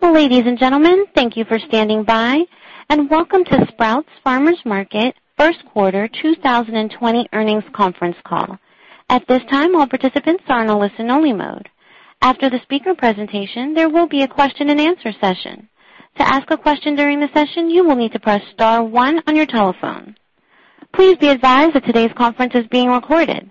Ladies and gentlemen, thank you for standing by, and welcome to Sprouts Farmers Market first quarter 2020 earnings conference call. At this time, all participants are in a listen-only mode. After the speaker presentation, there will be a question and answer session. To ask a question during the session, you will need to press star one on your telephone. Please be advised that today's conference is being recorded.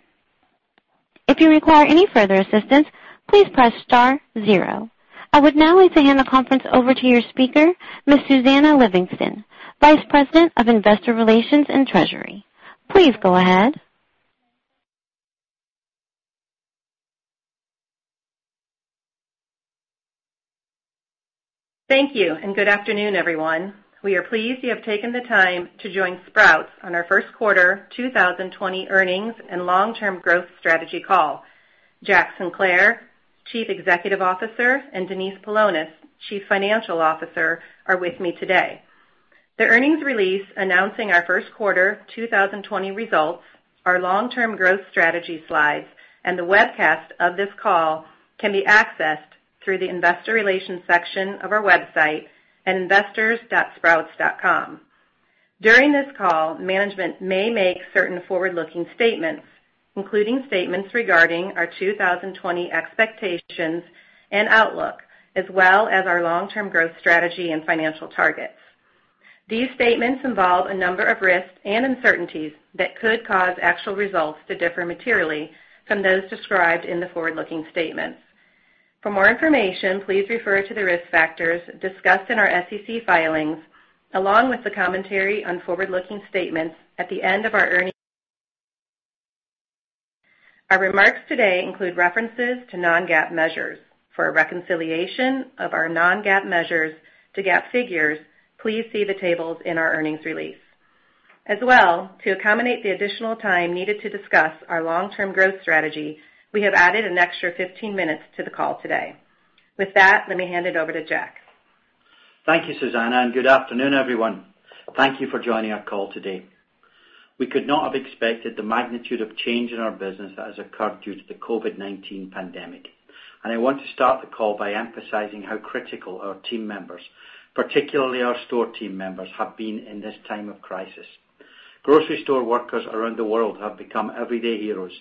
If you require any further assistance, please press star zero. I would now like to hand the conference over to your speaker, Ms. Susannah Livingston, Vice President of Investor Relations and Treasury. Please go ahead. Thank you. Good afternoon, everyone. We are pleased you have taken the time to join Sprouts on our first quarter 2020 earnings and long-term growth strategy call. Jack Sinclair, Chief Executive Officer, and Denise Paulonis, Chief Financial Officer, are with me today. The earnings release announcing our first quarter 2020 results, our long-term growth strategy slides, and the webcast of this call can be accessed through the investor relations section of our website at investors.sprouts.com. During this call, management may make certain forward-looking statements, including statements regarding our 2020 expectations and outlook, as well as our long-term growth strategy and financial targets. These statements involve a number of risks and uncertainties that could cause actual results to differ materially from those described in the forward-looking statements. For more information, please refer to the risk factors discussed in our SEC filings, along with the commentary on forward-looking statements at the end of our earnings. Our remarks today include references to non-GAAP measures. For a reconciliation of our non-GAAP measures to GAAP figures, please see the tables in our earnings release. As well, to accommodate the additional time needed to discuss our long-term growth strategy, we have added an extra 15 minutes to the call today. With that, let me hand it over to Jack. Thank you, Susannah. Good afternoon, everyone. Thank you for joining our call today. We could not have expected the magnitude of change in our business that has occurred due to the COVID-19 pandemic. I want to start the call by emphasizing how critical our team members, particularly our store team members, have been in this time of crisis. Grocery store workers around the world have become everyday heroes,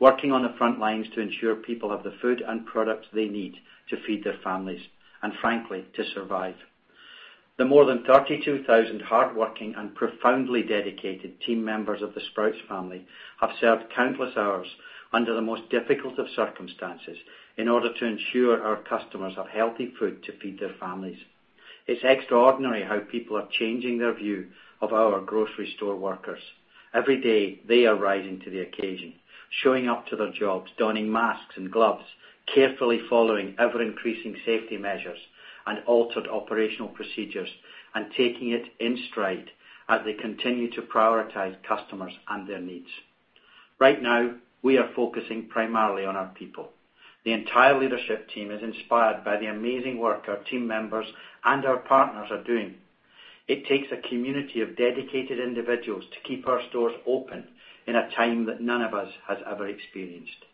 working on the front lines to ensure people have the food and products they need to feed their families, and frankly, to survive. The more than 32,000 hardworking and profoundly dedicated team members of the Sprouts family have served countless hours under the most difficult of circumstances in order to ensure our customers have healthy food to feed their families. It's extraordinary how people are changing their view of our grocery store workers. Every day, they are rising to the occasion, showing up to their jobs, donning masks and gloves, carefully following ever-increasing safety measures and altered operational procedures, and taking it in stride as they continue to prioritize customers and their needs. Right now, we are focusing primarily on our people. The entire leadership team is inspired by the amazing work our team members and our partners are doing. It takes a community of dedicated individuals to keep our stores open in a time that none of us has ever experienced.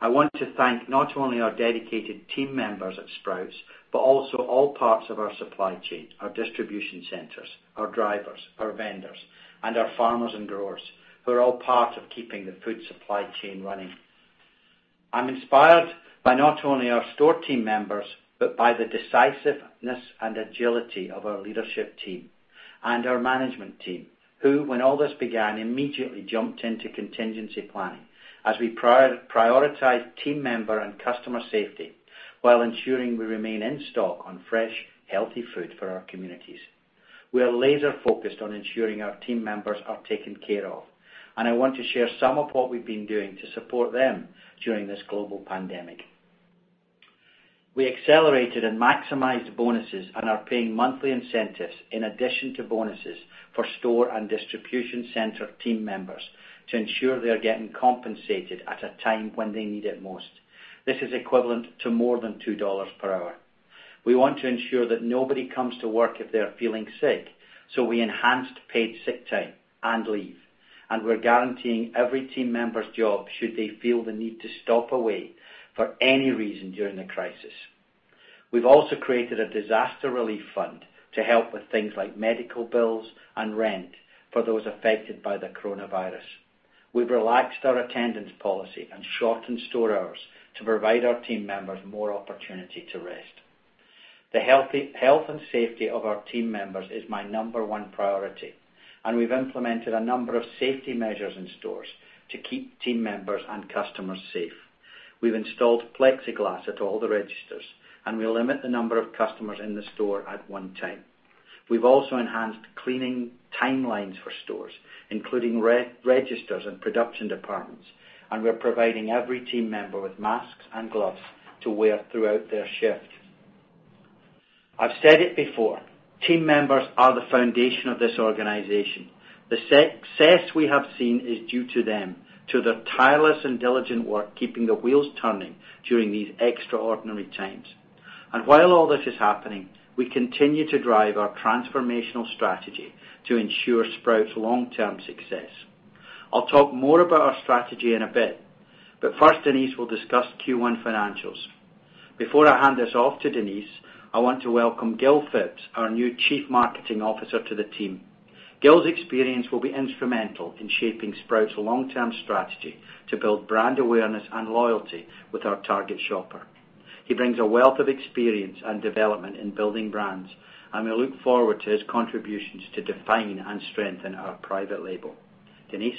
I want to thank not only our dedicated team members at Sprouts, but also all parts of our supply chain, our distribution centers, our drivers, our vendors, and our farmers and growers, who are all part of keeping the food supply chain running. I'm inspired by not only our store team members, but by the decisiveness and agility of our leadership team and our management team, who, when all this began, immediately jumped into contingency planning as we prioritized team member and customer safety while ensuring we remain in stock on fresh, healthy food for our communities. We are laser-focused on ensuring our team members are taken care of, and I want to share some of what we've been doing to support them during this global pandemic. We accelerated and maximized bonuses and are paying monthly incentives in addition to bonuses for store and distribution center team members to ensure they are getting compensated at a time when they need it most. This is equivalent to more than $2 per hour. We want to ensure that nobody comes to work if they are feeling sick, so we enhanced paid sick time and leave, and we're guaranteeing every team member's job should they feel the need to stop away for any reason during the crisis. We've also created a disaster relief fund to help with things like medical bills and rent for those affected by the coronavirus. We've relaxed our attendance policy and shortened store hours to provide our team members more opportunity to rest. The health and safety of our team members is my number one priority, and we've implemented a number of safety measures in stores to keep team members and customers safe. We've installed plexiglass at all the registers, and we limit the number of customers in the store at one time. We've also enhanced cleaning timelines for stores, including registers and production departments, and we're providing every team member with masks and gloves to wear throughout their shift. I've said it before, team members are the foundation of this organization. The success we have seen is due to them, to their tireless and diligent work keeping the wheels turning during these extraordinary times. While all this is happening, we continue to drive our transformational strategy to ensure Sprouts' long-term success. I'll talk more about our strategy in a bit, but first, Denise will discuss Q1 financials. Before I hand this off to Denise, I want to welcome Gil Phipps, our new Chief Marketing Officer, to the team. Gil's experience will be instrumental in shaping Sprouts' long-term strategy to build brand awareness and loyalty with our target shopper. He brings a wealth of experience and development in building brands. We look forward to his contributions to define and strengthen our private label. Denise?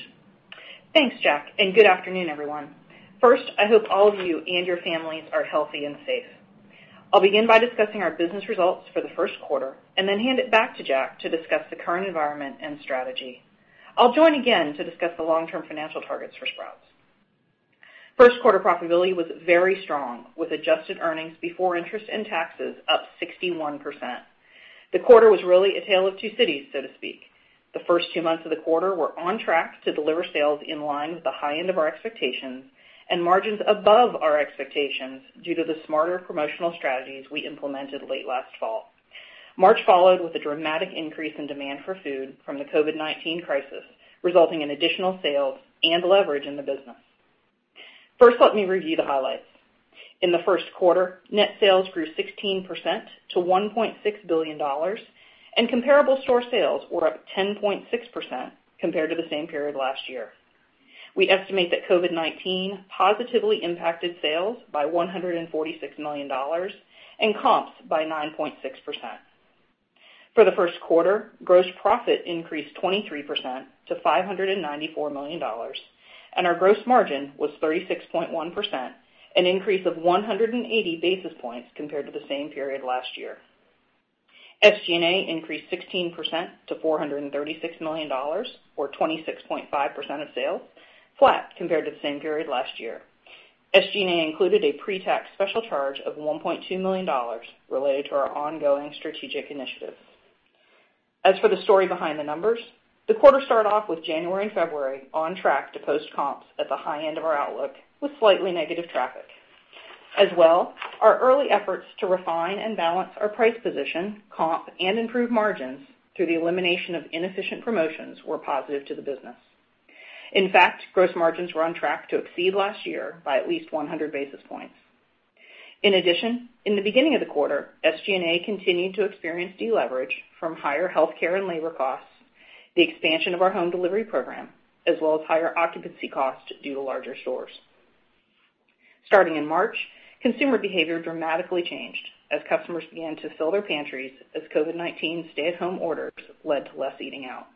Thanks, Jack. Good afternoon, everyone. First, I hope all of you and your families are healthy and safe. I'll begin by discussing our business results for the first quarter and then hand it back to Jack to discuss the current environment and strategy. I'll join again to discuss the long-term financial targets for Sprouts. First quarter profitability was very strong, with adjusted earnings before interest and taxes up 61%. The quarter was really a tale of two cities, so to speak. The first two months of the quarter were on track to deliver sales in line with the high end of our expectations and margins above our expectations due to the smarter promotional strategies we implemented late last fall. March followed with a dramatic increase in demand for food from the COVID-19 crisis, resulting in additional sales and leverage in the business. First, let me review the highlights. In the first quarter, net sales grew 16% to $1.6 billion, and comparable store sales were up 10.6% compared to the same period last year. We estimate that COVID-19 positively impacted sales by $146 million and comps by 9.6%. For the first quarter, gross profit increased 23% to $594 million, and our gross margin was 36.1%, an increase of 180 basis points compared to the same period last year. SG&A increased 16% to $436 million or 26.5% of sales, flat compared to the same period last year. SG&A included a pre-tax special charge of $1.2 million related to our ongoing strategic initiatives. As for the story behind the numbers, the quarter started off with January and February on track to post comps at the high end of our outlook with slightly negative traffic. As well, our early efforts to refine and balance our price position, comp, and improve margins through the elimination of inefficient promotions were positive to the business. In fact, gross margins were on track to exceed last year by at least 100 basis points. In addition, in the beginning of the quarter, SG&A continued to experience deleverage from higher healthcare and labor costs, the expansion of our home delivery program, as well as higher occupancy costs due to larger stores. Starting in March, consumer behavior dramatically changed as customers began to fill their pantries as COVID-19 stay-at-home orders led to less eating out.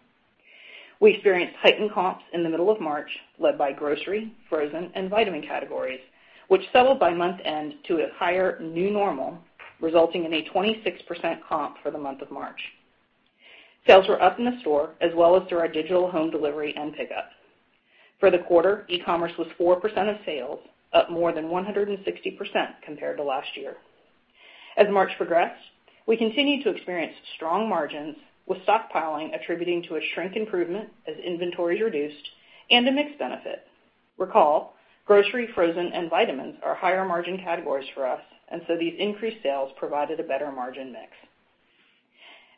We experienced heightened comps in the middle of March, led by grocery, frozen, and vitamin categories, which settled by month-end to a higher new normal, resulting in a 26% comp for the month of March. Sales were up in the store as well as through our digital home delivery and pickup. For the quarter, e-commerce was 4% of sales, up more than 160% compared to last year. As March progressed, we continued to experience strong margins, with stockpiling attributing to a shrink improvement as inventory reduced and a mix benefit. Recall, grocery, frozen, and vitamins are higher-margin categories for us, and so these increased sales provided a better margin mix.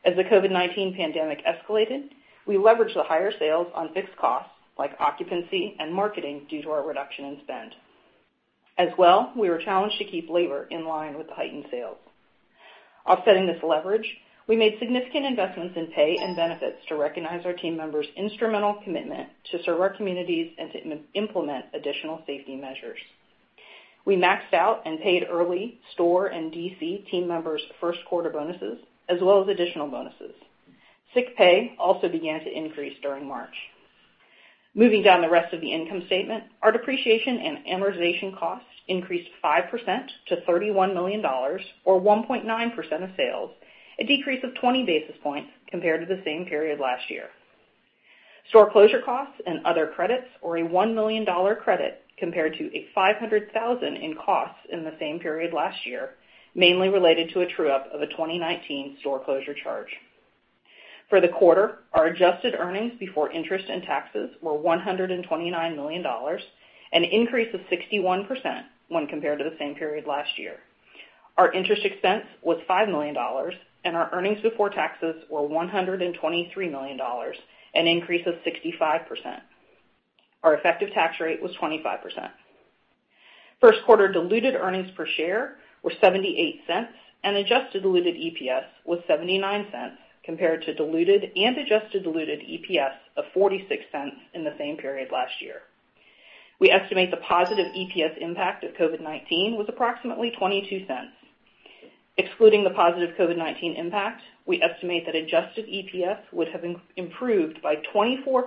As the COVID-19 pandemic escalated, we leveraged the higher sales on fixed costs like occupancy and marketing due to our reduction in spend. As well, we were challenged to keep labor in line with the heightened sales. Offsetting this leverage, we made significant investments in pay and benefits to recognize our team members' instrumental commitment to serve our communities and to implement additional safety measures. We maxed out and paid early store and DC team members' first quarter bonuses as well as additional bonuses. Sick pay also began to increase during March. Moving down the rest of the income statement, our depreciation and amortization costs increased 5% to $31 million or 1.9% of sales, a decrease of 20 basis points compared to the same period last year. Store closure costs and other credits or a $1 million credit compared to a $500,000 in costs in the same period last year, mainly related to a true-up of a 2019 store closure charge. For the quarter, our adjusted earnings before interest and taxes were $129 million, an increase of 61% when compared to the same period last year. Our interest expense was $5 million, and our earnings before taxes were $123 million, an increase of 65%. Our effective tax rate was 25%. First quarter diluted earnings per share were $0.78, and adjusted diluted EPS was $0.79 compared to diluted and adjusted diluted EPS of $0.46 in the same period last year. We estimate the positive EPS impact of COVID-19 was approximately $0.22. Excluding the positive COVID-19 impact, we estimate that adjusted EPS would have improved by 24%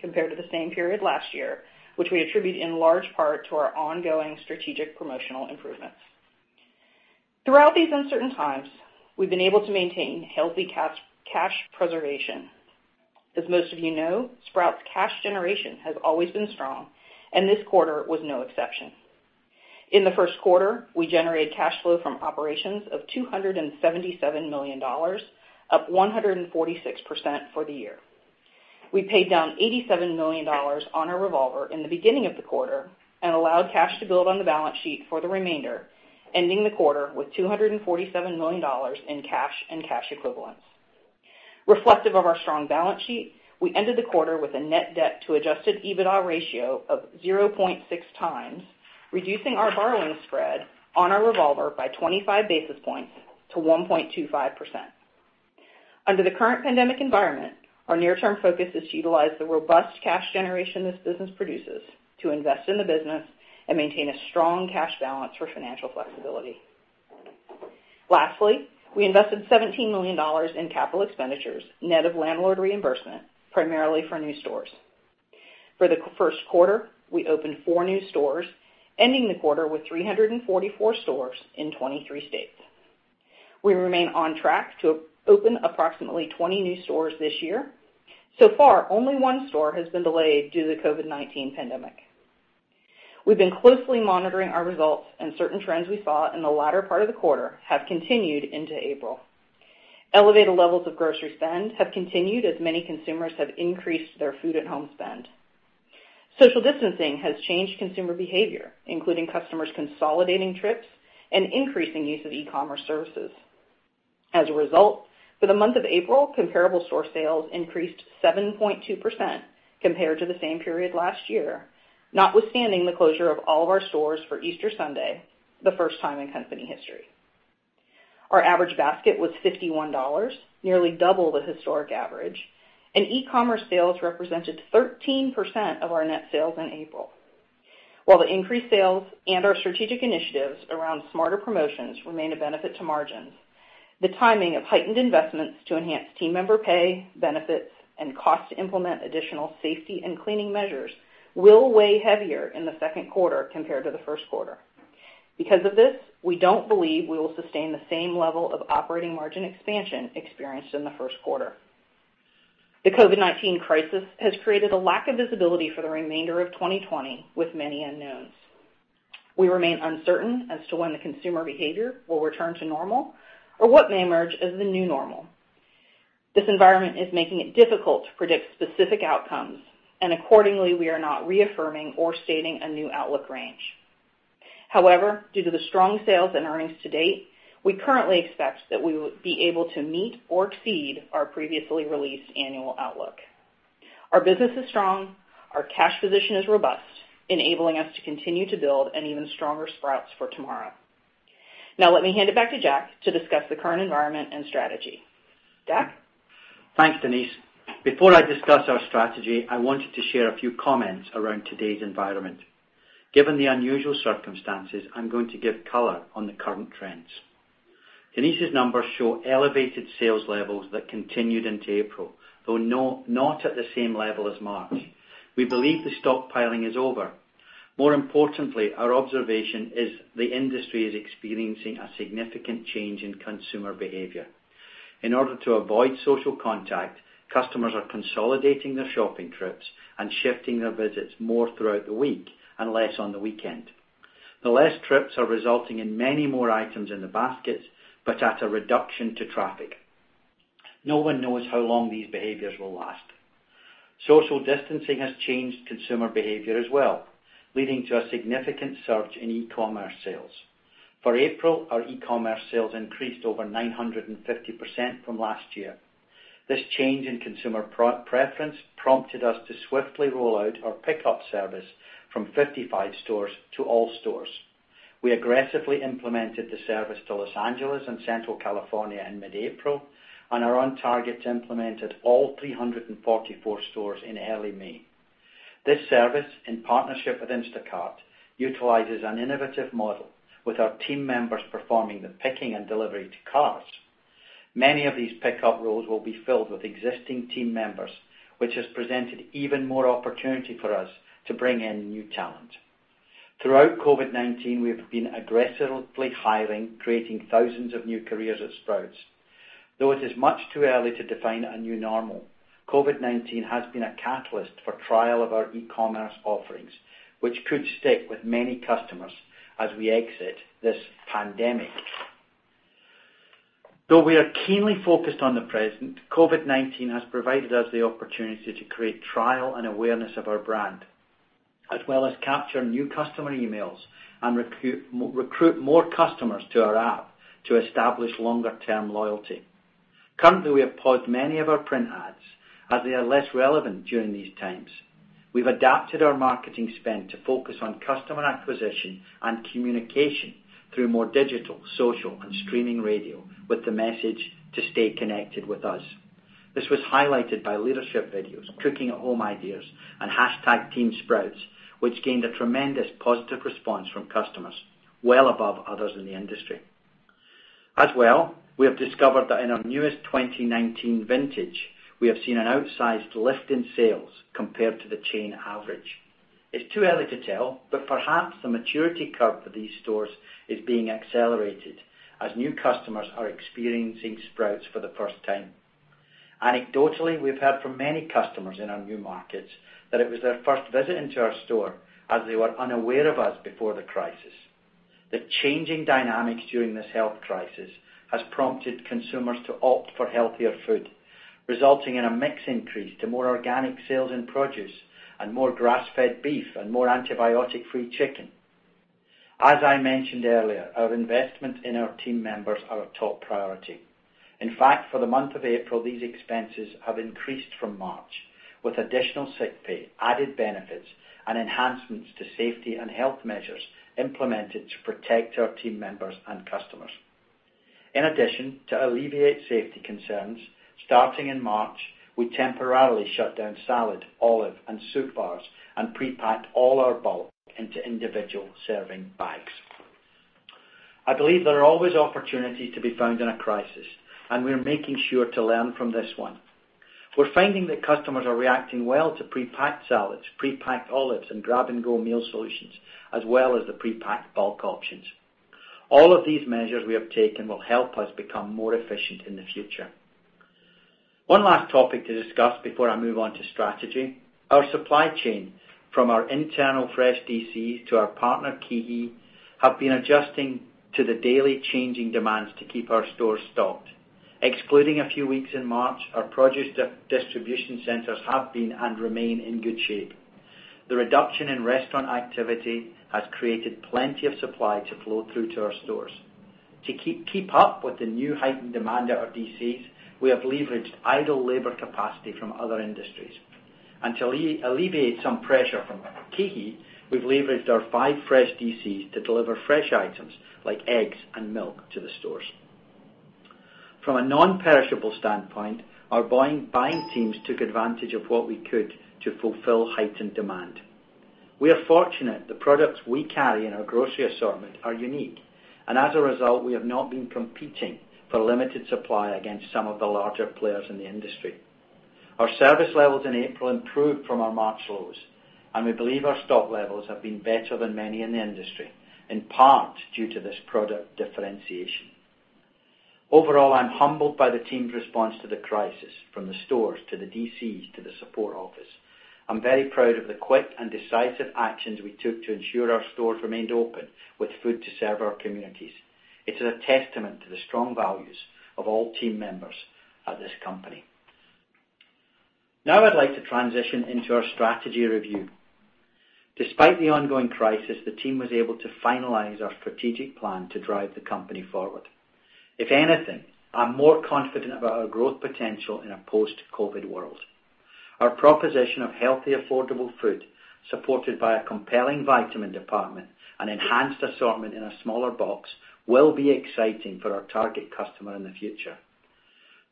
compared to the same period last year, which we attribute in large part to our ongoing strategic promotional improvements. Throughout these uncertain times, we've been able to maintain healthy cash preservation. As most of you know, Sprouts' cash generation has always been strong, and this quarter was no exception. In the first quarter, we generated cash flow from operations of $277 million, up 146% for the year. We paid down $87 million on our revolver in the beginning of the quarter and allowed cash to build on the balance sheet for the remainder, ending the quarter with $247 million in cash and cash equivalents. Reflective of our strong balance sheet, we ended the quarter with a net debt to adjusted EBITDA ratio of 0.6 times, reducing our borrowing spread on our revolver by 25 basis points to 1.25%. Under the current pandemic environment, our near-term focus is to utilize the robust cash generation this business produces to invest in the business and maintain a strong cash balance for financial flexibility. Lastly, we invested $17 million in capital expenditures, net of landlord reimbursement, primarily for new stores. For the first quarter, we opened four new stores, ending the quarter with 344 stores in 23 states. We remain on track to open approximately 20 new stores this year. So far, only one store has been delayed due to the COVID-19 pandemic. We've been closely monitoring our results and certain trends we saw in the latter part of the quarter have continued into April. Elevated levels of grocery spend have continued as many consumers have increased their food at home spend. Social distancing has changed consumer behavior, including customers consolidating trips and increasing use of e-commerce services. As a result, for the month of April, comparable store sales increased 7.2% compared to the same period last year, notwithstanding the closure of all of our stores for Easter Sunday, the first time in company history. Our average basket was $51, nearly double the historic average, and e-commerce sales represented 13% of our net sales in April. While the increased sales and our strategic initiatives around smarter promotions remain a benefit to margins, the timing of heightened investments to enhance team member pay, benefits, and cost to implement additional safety and cleaning measures will weigh heavier in the second quarter compared to the first quarter. Because of this, we don't believe we will sustain the same level of operating margin expansion experienced in the first quarter. The COVID-19 crisis has created a lack of visibility for the remainder of 2020 with many unknowns. We remain uncertain as to when the consumer behavior will return to normal or what may emerge as the new normal. This environment is making it difficult to predict specific outcomes, and accordingly, we are not reaffirming or stating a new outlook range. Due to the strong sales and earnings to date, we currently expect that we will be able to meet or exceed our previously released annual outlook. Our business is strong, our cash position is robust, enabling us to continue to build an even stronger Sprouts for tomorrow. Let me hand it back to Jack to discuss the current environment and strategy. Jack? Thanks, Denise. Before I discuss our strategy, I wanted to share a few comments around today's environment. Given the unusual circumstances, I'm going to give color on the current trends. Denise's numbers show elevated sales levels that continued into April, though not at the same level as March. We believe the stockpiling is over. More importantly, our observation is the industry is experiencing a significant change in consumer behavior. In order to avoid social contact, customers are consolidating their shopping trips and shifting their visits more throughout the week and less on the weekend. The less trips are resulting in many more items in the baskets, but at a reduction to traffic. No one knows how long these behaviors will last. Social distancing has changed consumer behavior as well, leading to a significant surge in e-commerce sales. For April, our e-commerce sales increased over 950% from last year. This change in consumer preference prompted us to swiftly roll out our pickup service from 55 stores to all stores. We aggressively implemented the service to Los Angeles and Central California in mid-April and are on target to implement it all 344 stores in early May. This service, in partnership with Instacart, utilizes an innovative model with our team members performing the picking and delivery to cars. Many of these pickup roles will be filled with existing team members, which has presented even more opportunity for us to bring in new talent. Throughout COVID-19, we have been aggressively hiring, creating thousands of new careers at Sprouts. Though it is much too early to define a new normal, COVID-19 has been a catalyst for trial of our e-commerce offerings, which could stick with many customers as we exit this pandemic. Though we are keenly focused on the present, COVID-19 has provided us the opportunity to create trial and awareness of our brand, as well as capture new customer emails and recruit more customers to our app to establish longer term loyalty. Currently, we have paused many of our print ads as they are less relevant during these times. We've adapted our marketing spend to focus on customer acquisition and communication through more digital, social, and streaming radio with the message to stay connected with us. This was highlighted by leadership videos, cooking at home ideas, and #TeamSprouts, which gained a tremendous positive response from customers, well above others in the industry. As well, we have discovered that in our newest 2019 vintage, we have seen an outsized lift in sales compared to the chain average. It's too early to tell, but perhaps the maturity curve for these stores is being accelerated as new customers are experiencing Sprouts for the first time. Anecdotally, we've heard from many customers in our new markets that it was their first visit into our store as they were unaware of us before the crisis. The changing dynamics during this health crisis has prompted consumers to opt for healthier food, resulting in a mix increase to more organic sales in produce and more grass-fed beef and more antibiotic-free chicken. As I mentioned earlier, our investments in our team members are our top priority. In fact, for the month of April, these expenses have increased from March, with additional sick pay, added benefits, and enhancements to safety and health measures implemented to protect our team members and customers. In addition, to alleviate safety concerns, starting in March, we temporarily shut down salad, olive, and soup bars and prepacked all our bulk into individual serving bags. I believe there are always opportunities to be found in a crisis, and we're making sure to learn from this one. We're finding that customers are reacting well to prepacked salads, prepacked olives, and grab-and-go meal solutions, as well as the prepacked bulk options. All of these measures we have taken will help us become more efficient in the future. One last topic to discuss before I move on to strategy, our supply chain from our internal fresh DCs to our partner KeHE have been adjusting to the daily changing demands to keep our stores stocked. Excluding a few weeks in March, our produce distribution centers have been and remain in good shape. The reduction in restaurant activity has created plenty of supply to flow through to our stores. To keep up with the new heightened demand at our DCs, we have leveraged idle labor capacity from other industries. To alleviate some pressure from KeHE, we've leveraged our five fresh DCs to deliver fresh items like eggs and milk to the stores. From a non-perishable standpoint, our buying teams took advantage of what we could to fulfill heightened demand. We are fortunate the products we carry in our grocery assortment are unique, and as a result, we have not been competing for limited supply against some of the larger players in the industry. Our service levels in April improved from our March lows, and we believe our stock levels have been better than many in the industry, in part due to this product differentiation. Overall, I'm humbled by the team's response to the crisis, from the stores, to the DCs, to the support office. I'm very proud of the quick and decisive actions we took to ensure our stores remained open with food to serve our communities. It's a testament to the strong values of all team members at this company. I'd like to transition into our strategy review. Despite the ongoing crisis, the team was able to finalize our strategic plan to drive the company forward. If anything, I'm more confident about our growth potential in a post-COVID world. Our proposition of healthy, affordable food, supported by a compelling vitamin department and enhanced assortment in a smaller box, will be exciting for our target customer in the future.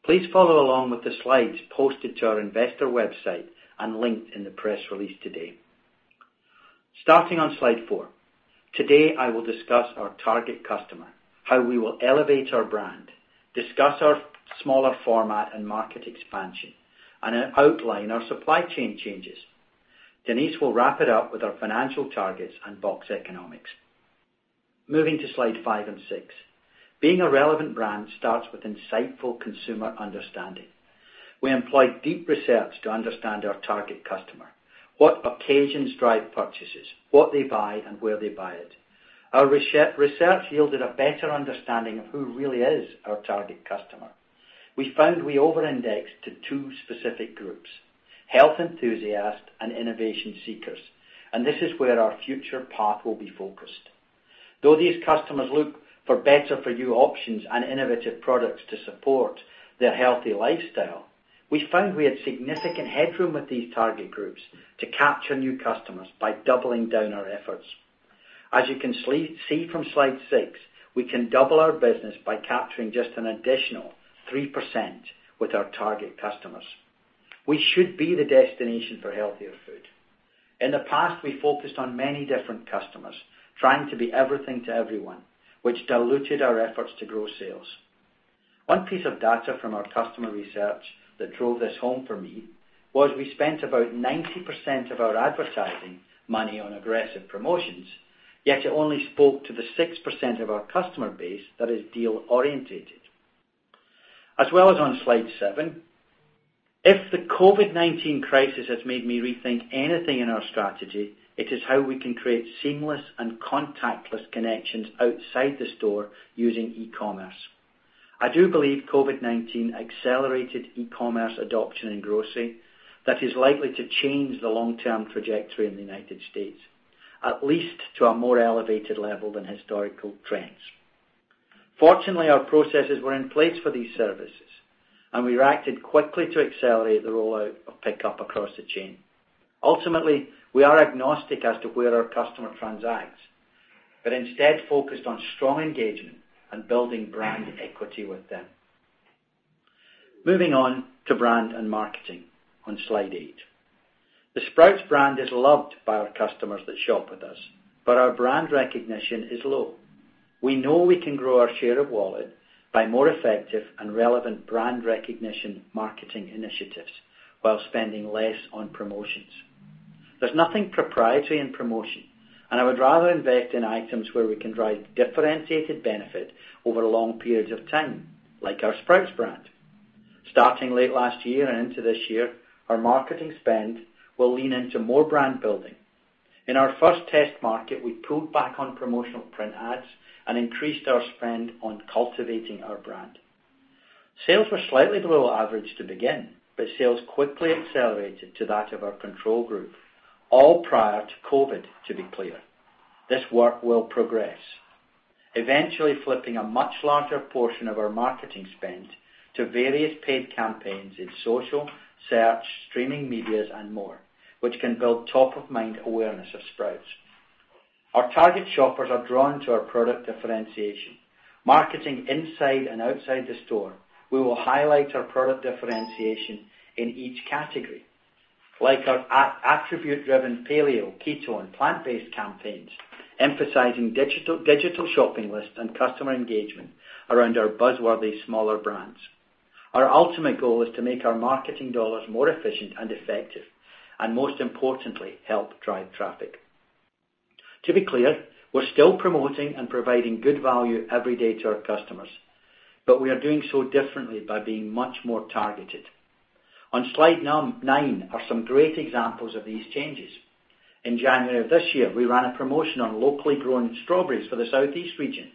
Please follow along with the slides posted to our investor website and linked in the press release today. Starting on slide four. Today, I will discuss our target customer, how we will elevate our brand, discuss our smaller format and market expansion, and outline our supply chain changes. Denise will wrap it up with our financial targets and box economics. Moving to slide five and six. Being a relevant brand starts with insightful consumer understanding. We employ deep research to understand our target customer, what occasions drive purchases, what they buy, and where they buy it. Our research yielded a better understanding of who really is our target customer. We found we over-indexed to two specific groups, health enthusiasts and innovation seekers, and this is where our future path will be focused. Though these customers look for better for you options and innovative products to support their healthy lifestyle, we found we had significant headroom with these target groups to capture new customers by doubling down our efforts. As you can see from slide six, we can double our business by capturing just an additional 3% with our target customers. We should be the destination for healthier food. In the past, we focused on many different customers trying to be everything to everyone, which diluted our efforts to grow sales. One piece of data from our customer research that drove this home for me was we spent about 90% of our advertising money on aggressive promotions, yet it only spoke to the 6% of our customer base that is deal orientated. As well as on slide seven, if the COVID-19 crisis has made me rethink anything in our strategy, it is how we can create seamless and contactless connections outside the store using e-commerce. I do believe COVID-19 accelerated e-commerce adoption in grocery that is likely to change the long-term trajectory in the United States at least to a more elevated level than historical trends. Fortunately, our processes were in place for these services, and we acted quickly to accelerate the rollout of pickup across the chain. Ultimately, we are agnostic as to where our customer transacts, but instead focused on strong engagement and building brand equity with them. Moving on to brand and marketing on slide eight. The Sprouts brand is loved by our customers that shop with us, but our brand recognition is low. We know we can grow our share of wallet by more effective and relevant brand recognition marketing initiatives while spending less on promotions. There's nothing proprietary in promotion. I would rather invest in items where we can drive differentiated benefit over long periods of time, like our Sprouts brand. Starting late last year and into this year, our marketing spend will lean into more brand building. In our first test market, we pulled back on promotional print ads and increased our spend on cultivating our brand. Sales were slightly below average to begin. Sales quickly accelerated to that of our control group, all prior to COVID, to be clear. This work will progress, eventually flipping a much larger portion of our marketing spend to various paid campaigns in social, search, streaming medias, and more, which can build top-of-mind awareness of Sprouts. Our target shoppers are drawn to our product differentiation, marketing inside and outside the store. We will highlight our product differentiation in each category, like our attribute-driven paleo, keto, and plant-based campaigns, emphasizing digital shopping lists and customer engagement around our buzzworthy smaller brands. Our ultimate goal is to make our marketing dollars more efficient and effective, and most importantly, help drive traffic. To be clear, we're still promoting and providing good value every day to our customers, but we are doing so differently by being much more targeted. On slide nine are some great examples of these changes. In January of this year, we ran a promotion on locally grown strawberries for the Southeast region.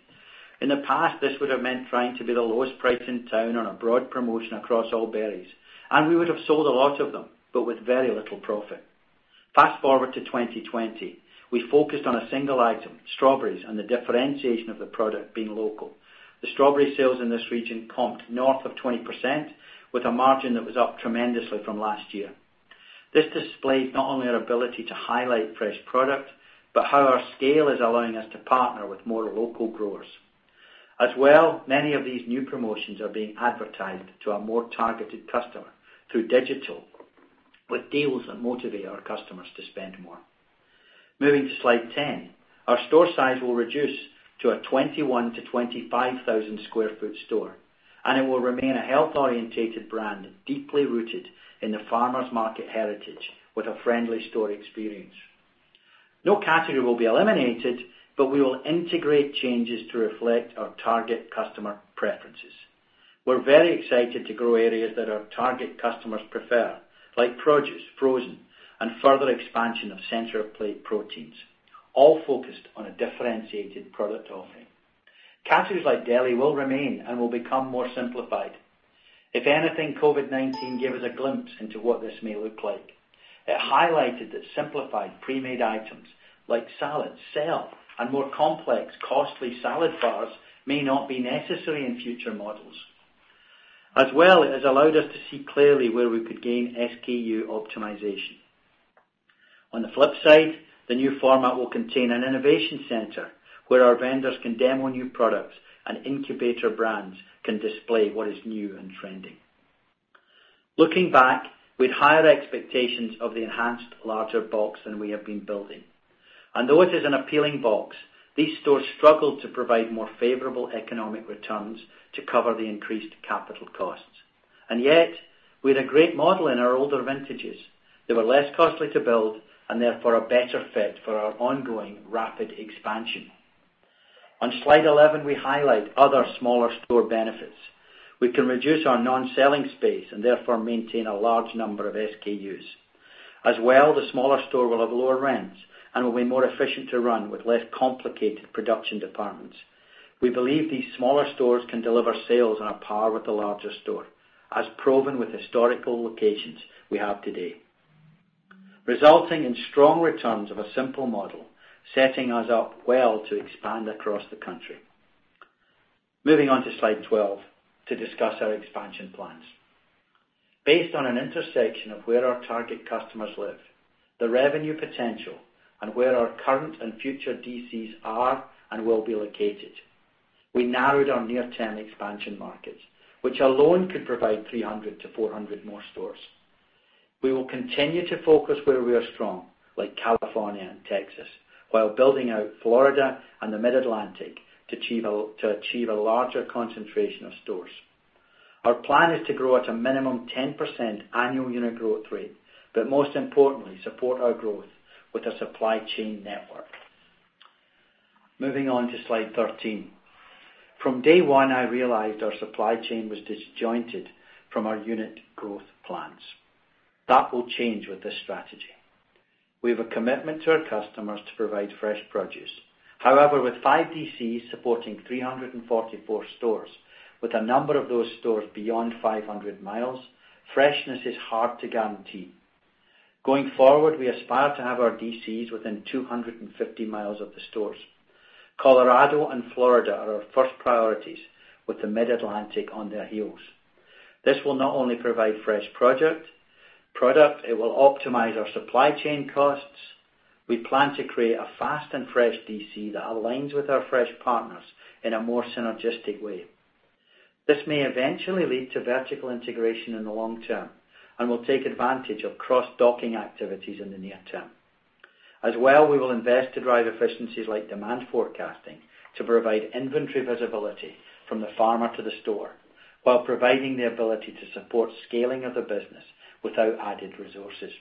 In the past, this would have meant trying to be the lowest price in town on a broad promotion across all berries, and we would have sold a lot of them, but with very little profit. Fast-forward to 2020. We focused on a single item, strawberries, and the differentiation of the product being local. The strawberry sales in this region comped north of 20% with a margin that was up tremendously from last year. This displays not only our ability to highlight fresh product, but how our scale is allowing us to partner with more local growers. As well, many of these new promotions are being advertised to a more targeted customer through digital, with deals that motivate our customers to spend more. Moving to slide 10. Our store size will reduce to a 21,000-25,000 sq ft store, and it will remain a health-orientated brand deeply rooted in the farmers market heritage with a friendly store experience. No category will be eliminated, but we will integrate changes to reflect our target customer preferences. We're very excited to grow areas that our target customers prefer, like produce, frozen, and further expansion of center plate proteins, all focused on a differentiated product offering. Categories like deli will remain and will become more simplified. If anything, COVID-19 gave us a glimpse into what this may look like. It highlighted that simplified pre-made items like salads sell, and more complex, costly salad bars may not be necessary in future models. As well, it has allowed us to see clearly where we could gain SKU optimization. On the flip side, the new format will contain an innovation center where our vendors can demo new products and incubator brands can display what is new and trending. Looking back, we had higher expectations of the enhanced larger box than we have been building. Though it is an appealing box, these stores struggled to provide more favorable economic returns to cover the increased capital costs. Yet, we had a great model in our older vintages. They were less costly to build and therefore a better fit for our ongoing rapid expansion. On slide 11, we highlight other smaller store benefits. The smaller store will have lower rents and will be more efficient to run with less complicated production departments. We believe these smaller stores can deliver sales on par with the larger store, as proven with historical locations we have today, resulting in strong returns of a simple model, setting us up well to expand across the country. Moving on to slide 12 to discuss our expansion plans. Based on an intersection of where our target customers live, the revenue potential, and where our current and future DCs are and will be located, we narrowed our near-term expansion markets, which alone could provide 300-400 more stores. We will continue to focus where we are strong, like California and Texas, while building out Florida and the Mid-Atlantic to achieve a larger concentration of stores. Most importantly, support our growth with a supply chain network. Moving on to slide 13. From day one, I realized our supply chain was disjointed from our unit growth plans. That will change with this strategy. We have a commitment to our customers to provide fresh produce. However, with five DCs supporting 344 stores, with a number of those stores beyond 500 mi, freshness is hard to guarantee. Going forward, we aspire to have our DCs within 250 mi of the stores. Colorado and Florida are our first priorities, with the Mid-Atlantic on their heels. This will not only provide fresh product, it will optimize our supply chain costs. We plan to create a fast and fresh DC that aligns with our fresh partners in a more synergistic way. This may eventually lead to vertical integration in the long term and will take advantage of cross-docking activities in the near term. As well, we will invest to drive efficiencies like demand forecasting to provide inventory visibility from the farmer to the store while providing the ability to support scaling of the business without added resources.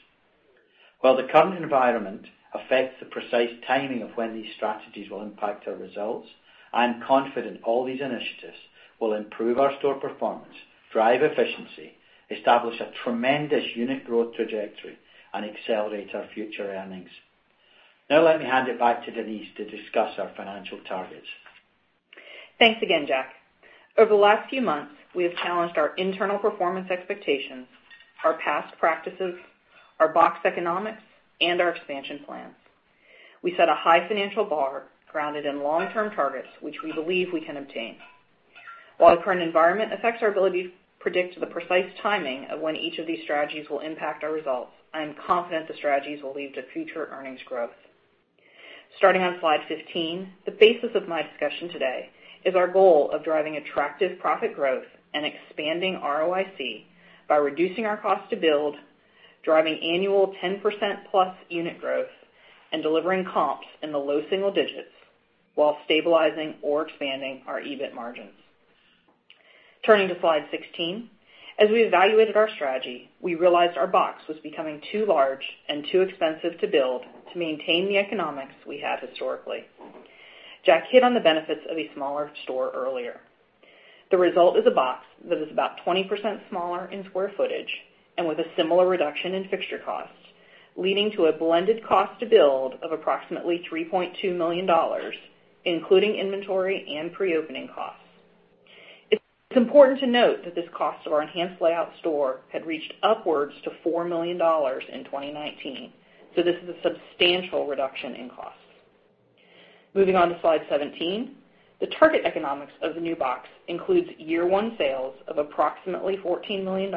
While the current environment affects the precise timing of when these strategies will impact our results, I am confident all these initiatives will improve our store performance, drive efficiency, establish a tremendous unit growth trajectory, and accelerate our future earnings. Let me hand it back to Denise to discuss our financial targets. Thanks again, Jack. Over the last few months, we have challenged our internal performance expectations, our past practices, our box economics, and our expansion plans. We set a high financial bar grounded in long-term targets, which we believe we can obtain. While the current environment affects our ability to predict the precise timing of when each of these strategies will impact our results, I am confident the strategies will lead to future earnings growth. Starting on slide 15, the basis of my discussion today is our goal of driving attractive profit growth and expanding ROIC by reducing our cost to build, driving annual 10%+ unit growth, and delivering comps in the low single digits while stabilizing or expanding our EBIT margins. Turning to slide 16. As we evaluated our strategy, we realized our box was becoming too large and too expensive to build to maintain the economics we had historically. Jack hit on the benefits of a smaller store earlier. The result is a box that is about 20% smaller in square footage and with a similar reduction in fixture costs, leading to a blended cost to build of approximately $3.2 million, including inventory and pre-opening costs. It's important to note that this cost of our enhanced layout store had reached upwards to $4 million in 2019. This is a substantial reduction in costs. Moving on to slide 17. The target economics of the new box includes year one sales of approximately $14 million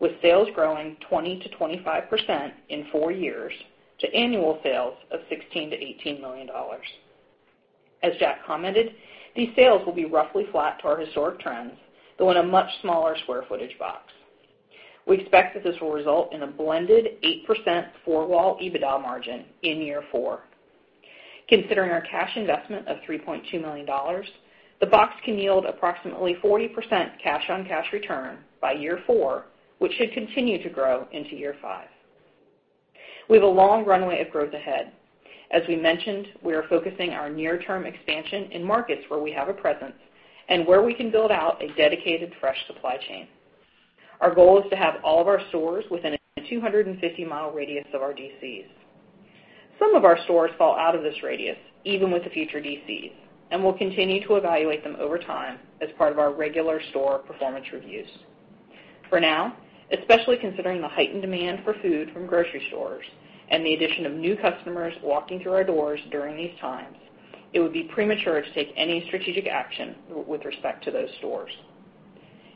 with sales growing 20%-25% in four years to annual sales of $16 million-$18 million. As Jack commented, these sales will be roughly flat to our historic trends, though in a much smaller square footage box. We expect that this will result in a blended 8% four-wall EBITDA margin in year four. Considering our cash investment of $3.2 million, the box can yield approximately 40% cash on cash return by year four, which should continue to grow into year five. We have a long runway of growth ahead. As we mentioned, we are focusing our near-term expansion in markets where we have a presence and where we can build out a dedicated fresh supply chain. Our goal is to have all of our stores within a 250-mile radius of our DCs. Some of our stores fall out of this radius, even with the future DCs, and we'll continue to evaluate them over time as part of our regular store performance reviews. For now, especially considering the heightened demand for food from grocery stores and the addition of new customers walking through our doors during these times, it would be premature to take any strategic action with respect to those stores.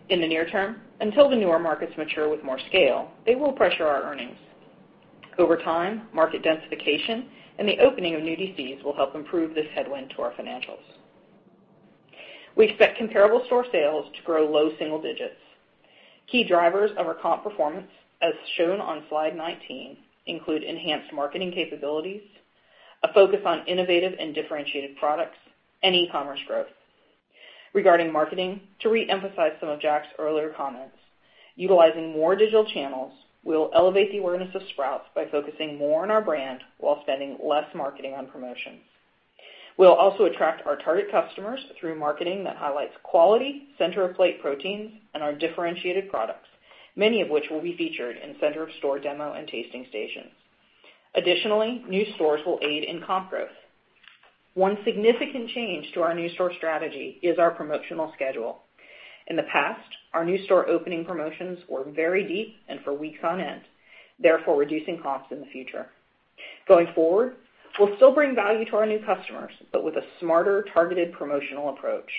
In the near term, until the newer markets mature with more scale, they will pressure our earnings. Over time, market densification and the opening of new DCs will help improve this headwind to our financials. We expect comparable store sales to grow low single digits. Key drivers of our comp performance, as shown on slide 19, include enhanced marketing capabilities, a focus on innovative and differentiated products, and e-commerce growth. Regarding marketing, to reemphasize some of Jack's earlier comments, utilizing more digital channels will elevate the awareness of Sprouts by focusing more on our brand while spending less marketing on promotions. We'll also attract our target customers through marketing that highlights quality, center-of-plate proteins, and our differentiated products, many of which will be featured in center-of-store demo and tasting stations. Additionally, new stores will aid in comp growth. One significant change to our new store strategy is our promotional schedule. In the past, our new store opening promotions were very deep and for weeks on end, therefore reducing costs in the future. Going forward, we'll still bring value to our new customers, but with a smarter, targeted promotional approach.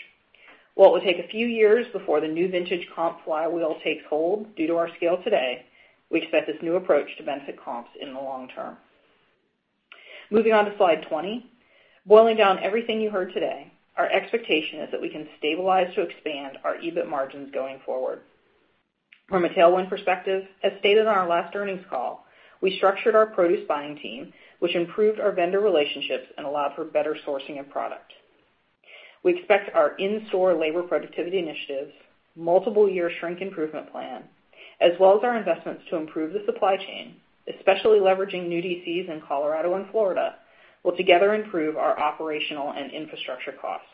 While it will take a few years before the new vintage comp flywheel takes hold due to our scale today, we expect this new approach to benefit comps in the long term. Moving on to slide 20. Boiling down everything you heard today, our expectation is that we can stabilize to expand our EBIT margins going forward. From a tailwind perspective, as stated on our last earnings call, we structured our produce buying team, which improved our vendor relationships and allowed for better sourcing of product. We expect our in-store labor productivity initiatives, multiple year shrink improvement plan, as well as our investments to improve the supply chain, especially leveraging new DCs in Colorado and Florida, will together improve our operational and infrastructure costs.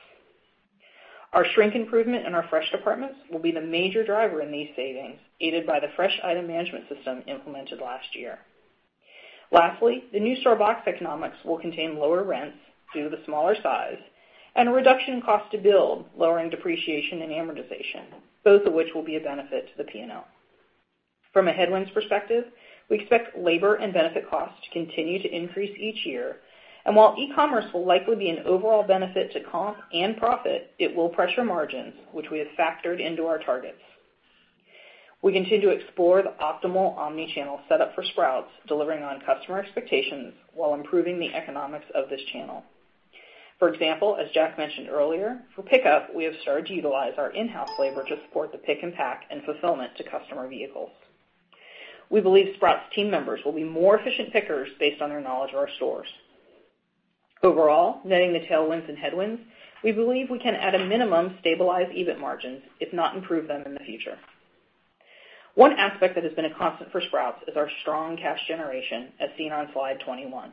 Our shrink improvement in our fresh departments will be the major driver in these savings, aided by the fresh item management system implemented last year. Lastly, the new store box economics will contain lower rents due to the smaller size and a reduction in cost to build, lowering depreciation and amortization, both of which will be a benefit to the P&L. From a headwinds perspective, we expect labor and benefit costs to continue to increase each year, and while e-commerce will likely be an overall benefit to comp and profit, it will pressure margins, which we have factored into our targets. We continue to explore the optimal omnichannel setup for Sprouts, delivering on customer expectations while improving the economics of this channel. For example, as Jack mentioned earlier, for pickup, we have started to utilize our in-house labor to support the pick and pack and fulfillment to customer vehicles. We believe Sprouts team members will be more efficient pickers based on their knowledge of our stores. Overall, netting the tailwinds and headwinds, we believe we can, at a minimum, stabilize EBIT margins, if not improve them in the future. One aspect that has been a constant for Sprouts is our strong cash generation, as seen on slide 21.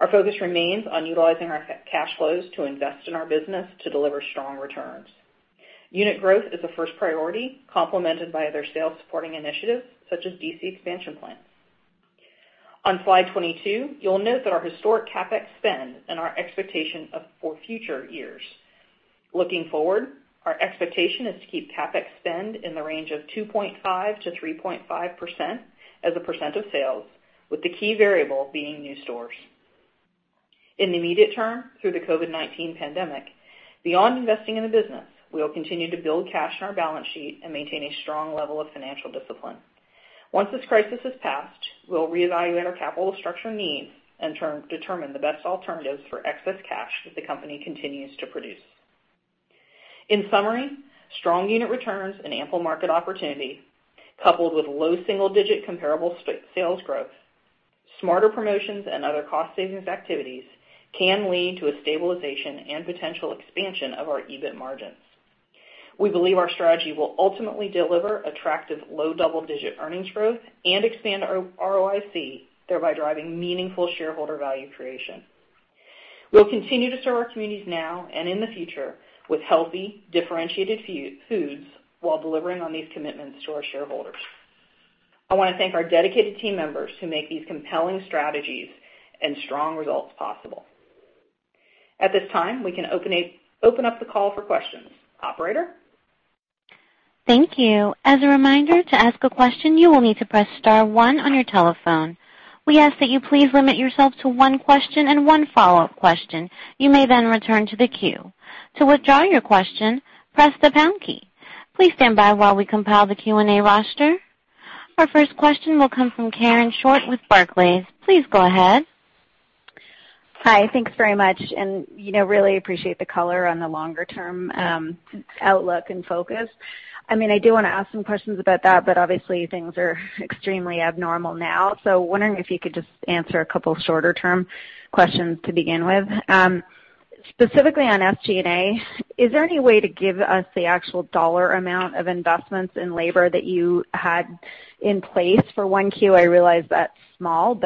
Our focus remains on utilizing our cash flows to invest in our business to deliver strong returns. Unit growth is the first priority complemented by other sales supporting initiatives such as DC expansion plans. On slide 22, you'll note that our historic CapEx spend and our expectation for future years. Looking forward, our expectation is to keep CapEx spend in the range of 2.5%-3.5% as a percent of sales, with the key variable being new stores. In the immediate term, through the COVID-19 pandemic, beyond investing in the business, we will continue to build cash in our balance sheet and maintain a strong level of financial discipline. Once this crisis has passed, we'll reevaluate our capital structure needs and determine the best alternatives for excess cash that the company continues to produce. In summary, strong unit returns and ample market opportunity, coupled with low single digit comparable sales growth, smarter promotions, and other cost savings activities, can lead to a stabilization and potential expansion of our EBIT margins. We believe our strategy will ultimately deliver attractive low double digit earnings growth and expand ROIC, thereby driving meaningful shareholder value creation. We will continue to serve our communities now and in the future with healthy, differentiated foods while delivering on these commitments to our shareholders. I want to thank our dedicated team members who make these compelling strategies and strong results possible. At this time, we can open up the call for questions. Operator? Thank you. As a reminder, to ask a question, you will need to press star one on your telephone. We ask that you please limit yourself to one question and one follow-up question. You may then return to the queue. To withdraw your question, press the pound key. Please stand by while we compile the Q&A roster. Our first question will come from Karen Short with Barclays. Please go ahead. Hi. Thanks very much, really appreciate the color on the longer-term outlook and focus. I do want to ask some questions about that, obviously things are extremely abnormal now. Wondering if you could just answer a couple shorter-term questions to begin with. Specifically on SG&A, is there any way to give us the actual dollar amount of investments in labor that you had in place for 1Q? I realize that's small,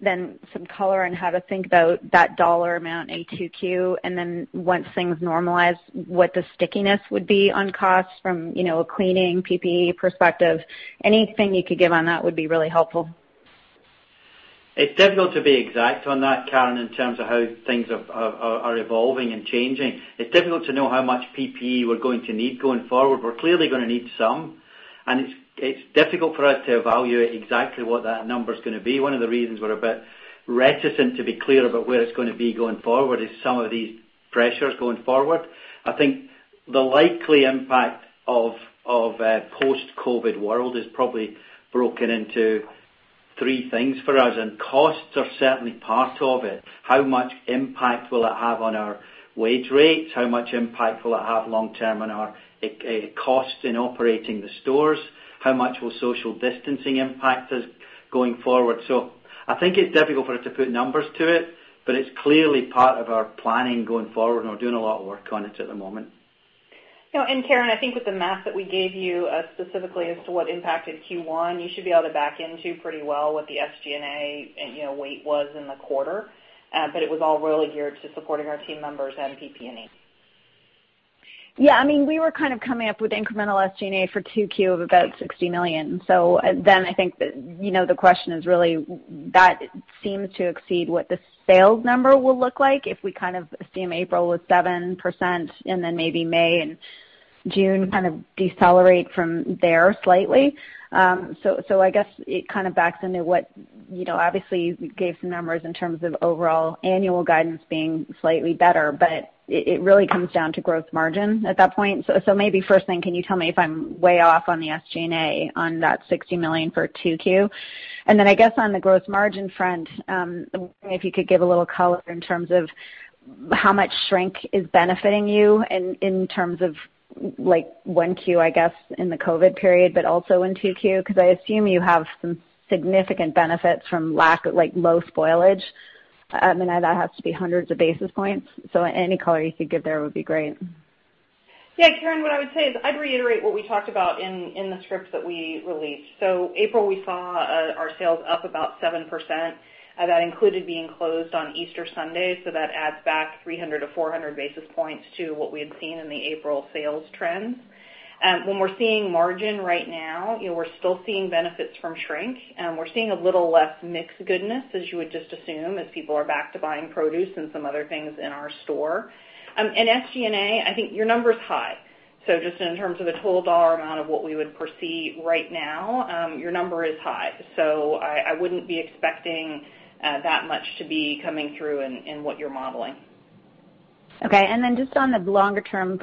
some color on how to think about that dollar amount 2Q, once things normalize, what the stickiness would be on costs from a cleaning, PPE perspective. Anything you could give on that would be really helpful. It's difficult to be exact on that, Karen, in terms of how things are evolving and changing. It's difficult to know how much PPE we're going to need going forward. We're clearly going to need some, and it's difficult for us to evaluate exactly what that number's going to be. One of the reasons we're a bit reticent to be clear about where it's going to be going forward is some of these pressures going forward. I think the likely impact of a post-COVID world is probably broken into three things for us, and costs are certainly part of it. How much impact will it have on our wage rates? How much impact will it have long term on our costs in operating the stores? How much will social distancing impact us going forward? I think it's difficult for us to put numbers to it, but it's clearly part of our planning going forward and we're doing a lot of work on it at the moment. Karen, I think with the math that we gave you, specifically as to what impacted Q1, you should be able to back into pretty well what the SG&A weight was in the quarter. It was all really geared to supporting our team members and PPE. Yeah, we were kind of coming up with incremental SG&A for 2Q of about $60 million. I think that the question is really that seems to exceed what the sales number will look like if we kind of assume April was 7% and then maybe May and June kind of decelerate from there slightly. I guess it kind of backs into what. Obviously, you gave some numbers in terms of overall annual guidance being slightly better, but it really comes down to gross margin at that point. Maybe first thing, can you tell me if I'm way off on the SG&A on that $60 million for 2Q? I guess on the gross margin front, if you could give a little color in terms of how much shrink is benefiting you in terms of like 1Q, I guess, in the COVID period, but also in 2Q, because I assume you have some significant benefits from low spoilage. I mean, that has to be hundreds of basis points. Any color you could give there would be great. Yeah, Karen, what I would say is, I'd reiterate what we talked about in the script that we released. April, we saw our sales up about 7%. That included being closed on Easter Sunday, so that adds back 300-400 basis points to what we had seen in the April sales trends. When we're seeing margin right now, we're still seeing benefits from shrink. We're seeing a little less mix goodness, as you would just assume, as people are back to buying produce and some other things in our store. SG&A, I think your number's high. Just in terms of the total dollar amount of what we would foresee right now, your number is high. I wouldn't be expecting that much to be coming through in what you're modeling. Okay. Just on the longer term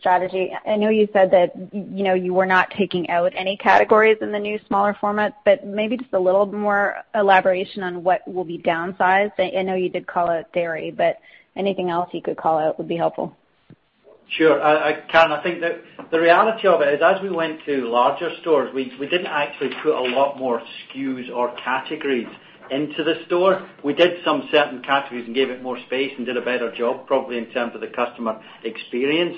strategy, I know you said that you were not taking out any categories in the new, smaller format, but maybe just a little more elaboration on what will be downsized. I know you did call out dairy, but anything else you could call out would be helpful. Sure. Karen, I think that the reality of it is, as we went to larger stores, we didn't actually put a lot more SKUs or categories into the store. We did some certain categories and gave it more space and did a better job probably in terms of the customer experience.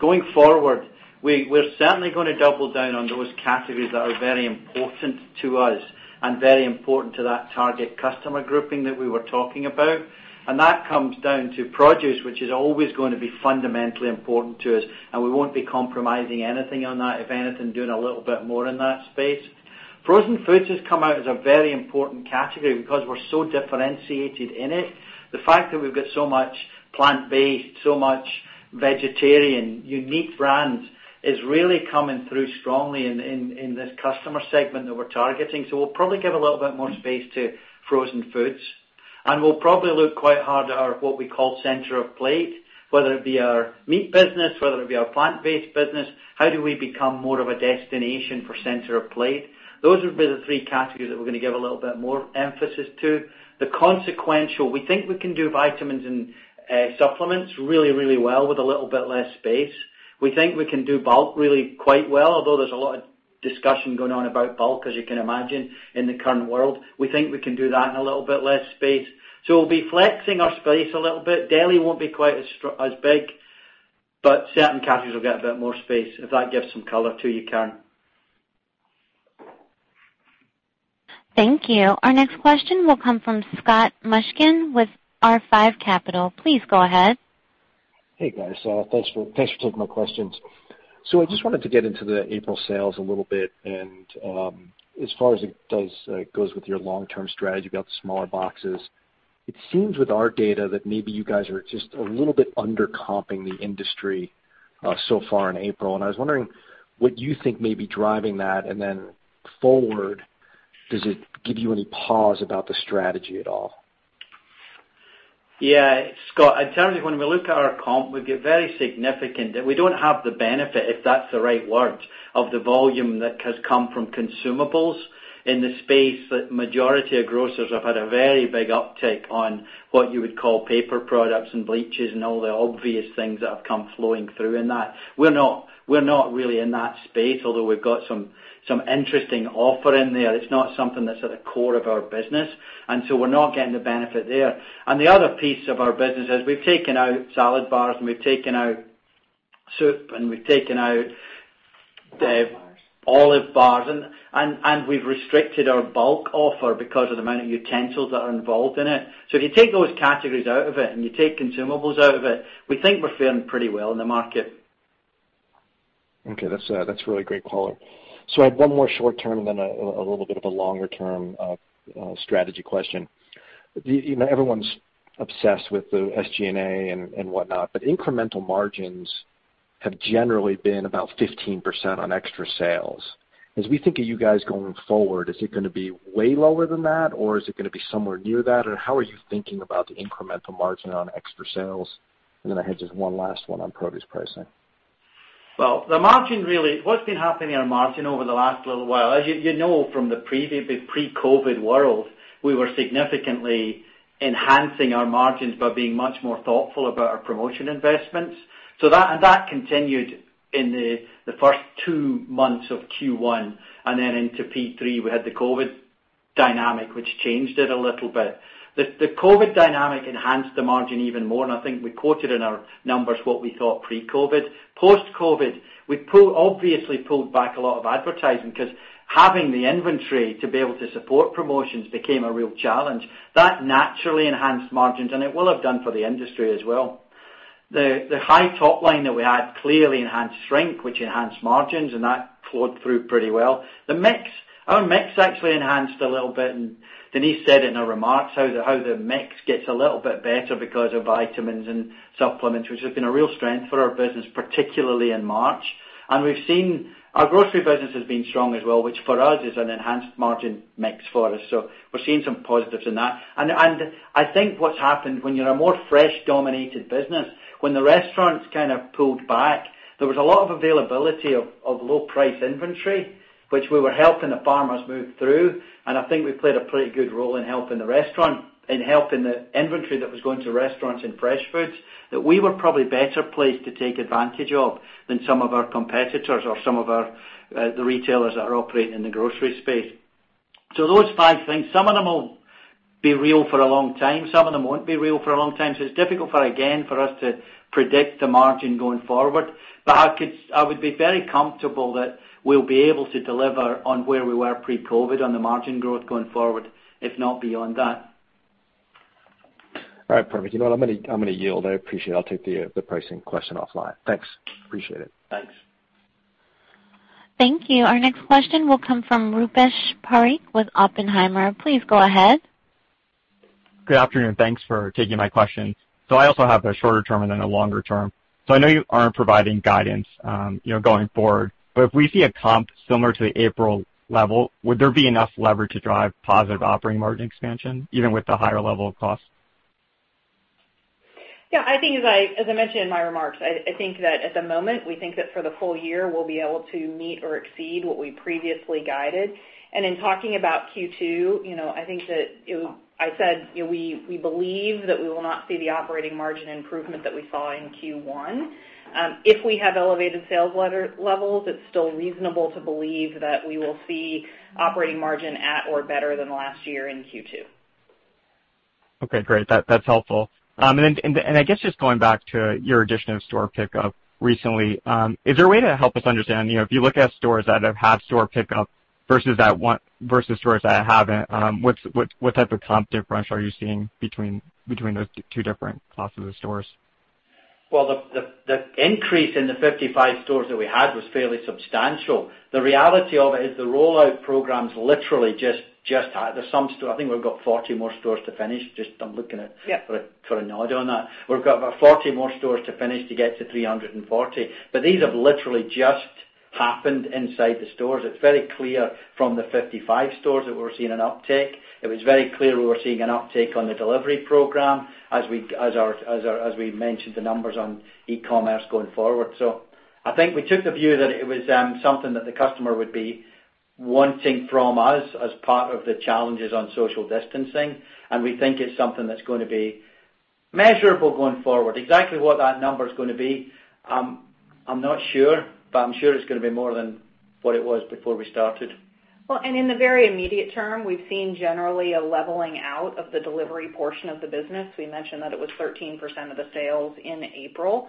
Going forward, we're certainly going to double down on those categories that are very important to us and very important to that target customer grouping that we were talking about. That comes down to produce, which is always going to be fundamentally important to us, and we won't be compromising anything on that. If anything, doing a little bit more in that space. Frozen foods has come out as a very important category because we're so differentiated in it. The fact that we've got so much plant-based, so much vegetarian, unique brands is really coming through strongly in this customer segment that we're targeting. We'll probably give a little bit more space to frozen foods, and we'll probably look quite hard at our, what we call center of plate, whether it be our meat business, whether it be our plant-based business, how do we become more of a destination for center of plate? Those would be the three categories that we're going to give a little bit more emphasis to. The consequential, we think we can do vitamins and supplements really well with a little bit less space. We think we can do bulk really quite well, although there's a lot of discussion going on about bulk, as you can imagine, in the current world. We think we can do that in a little bit less space. We'll be flexing our space a little bit. Deli won't be quite as big, but certain categories will get a bit more space, if that gives some color to you, Karen. Thank you. Our next question will come from Scott Mushkin with R5 Capital. Please go ahead. Hey, guys. Thanks for taking my questions. I just wanted to get into the April sales a little bit and as far as it goes with your long term strategy about the smaller boxes. I was wondering what you think may be driving that, and then forward, does it give you any pause about the strategy at all? Yeah, Scott, in terms of when we look at our comp, we get very significant that we don't have the benefit, if that's the right word, of the volume that has come from consumables in the space that majority of grocers have had a very big uptick on what you would call paper products and bleaches and all the obvious things that have come flowing through in that. We're not really in that space, although we've got some interesting offering there. It's not something that's at the core of our business, so we're not getting the benefit there. The other piece of our business is we've taken out salad bars, and we've taken out soup, and we've taken out- Olive bars, and we've restricted our bulk offer because of the amount of utensils that are involved in it. If you take those categories out of it and you take consumables out of it, we think we're faring pretty well in the market. Okay, that's really great color. I have one more short term and then a little bit of a longer term strategy question. Everyone's obsessed with the SG&A and whatnot, incremental margins have generally been about 15% on extra sales. As we think of you guys going forward, is it going to be way lower than that, or is it going to be somewhere near that? How are you thinking about the incremental margin on extra sales? I had just one last one on produce pricing. What's been happening in our margin over the last little while, as you know from the pre-COVID world, we were significantly enhancing our margins by being much more thoughtful about our promotion investments. That continued in the first two months of Q1, and then into P3, we had the COVID dynamic, which changed it a little bit. The COVID dynamic enhanced the margin even more, and I think we quoted in our numbers what we thought pre-COVID. Post-COVID, we obviously pulled back a lot of advertising because having the inventory to be able to support promotions became a real challenge. That naturally enhanced margins, and it will have done for the industry as well. The high top line that we had clearly enhanced shrink, which enhanced margins, and that flowed through pretty well. Our mix actually enhanced a little bit. Denise said in her remarks how the mix gets a little bit better because of vitamins and supplements, which has been a real strength for our business, particularly in March. We've seen our grocery business has been strong as well, which for us is an enhanced margin mix for us. We're seeing some positives in that. I think what's happened when you're a more fresh dominated business, when the restaurants kind of pulled back, there was a lot of availability of low price inventory, which we were helping the farmers move through. I think we played a pretty good role in helping the inventory that was going to restaurants and fresh foods that we were probably better placed to take advantage of than some of our competitors or some of the retailers that are operating in the grocery space. Those five things, some of them will be real for a long time. Some of them won't be real for a long time. It's difficult for, again, for us to predict the margin going forward. I would be very comfortable that we'll be able to deliver on where we were pre-COVID on the margin growth going forward, if not beyond that. All right, perfect. You know what? I'm going to yield. I appreciate it. I'll take the pricing question offline. Thanks. Appreciate it. Thanks. Thank you. Our next question will come from Rupesh Parikh with Oppenheimer. Please go ahead. Good afternoon. Thanks for taking my questions. I also have a shorter term and then a longer term. I know you aren't providing guidance going forward, but if we see a comp similar to the April level, would there be enough leverage to drive positive operating margin expansion, even with the higher level of cost? Yeah, as I mentioned in my remarks, I think that at the moment, we think that for the full year, we'll be able to meet or exceed what we previously guided. In talking about Q2, I said we believe that we will not see the operating margin improvement that we saw in Q1. If we have elevated sales levels, it's still reasonable to believe that we will see operating margin at or better than last year in Q2. Okay, great. That's helpful. I guess just going back to your addition of store pickup recently, is there a way to help us understand if you look at stores that have store pickup versus stores that haven't, what type of comp differential are you seeing between those two different classes of stores? Well, the increase in the 55 stores that we had was fairly substantial. The reality of it is the rollout programs literally just had I think we've got 40 more stores to finish. Yep for a nod on that. We've got about 40 more stores to finish to get to 340. These have literally just happened inside the stores. It's very clear from the 55 stores that we're seeing an uptick. It was very clear we were seeing an uptick on the delivery program as we mentioned the numbers on e-commerce going forward. I think we took the view that it was something that the customer would be wanting from us as part of the challenges on social distancing, and we think it's something that's going to be measurable going forward. Exactly what that number's going to be, I'm not sure, but I'm sure it's going to be more than what it was before we started. In the very immediate term, we've seen generally a leveling out of the delivery portion of the business. We mentioned that it was 13% of the sales in April.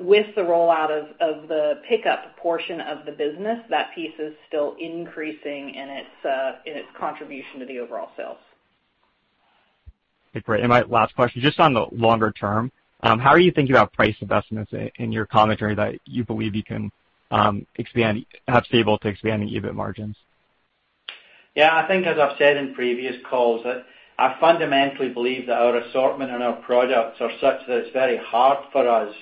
With the rollout of the pickup portion of the business, that piece is still increasing in its contribution to the overall sales. Okay, great. My last question, just on the longer term, how are you thinking about price investments in your commentary that you believe you can have stable to expanding EBIT margins? Yeah, I think as I've said in previous calls, that I fundamentally believe that our assortment and our products are such that it's very hard for us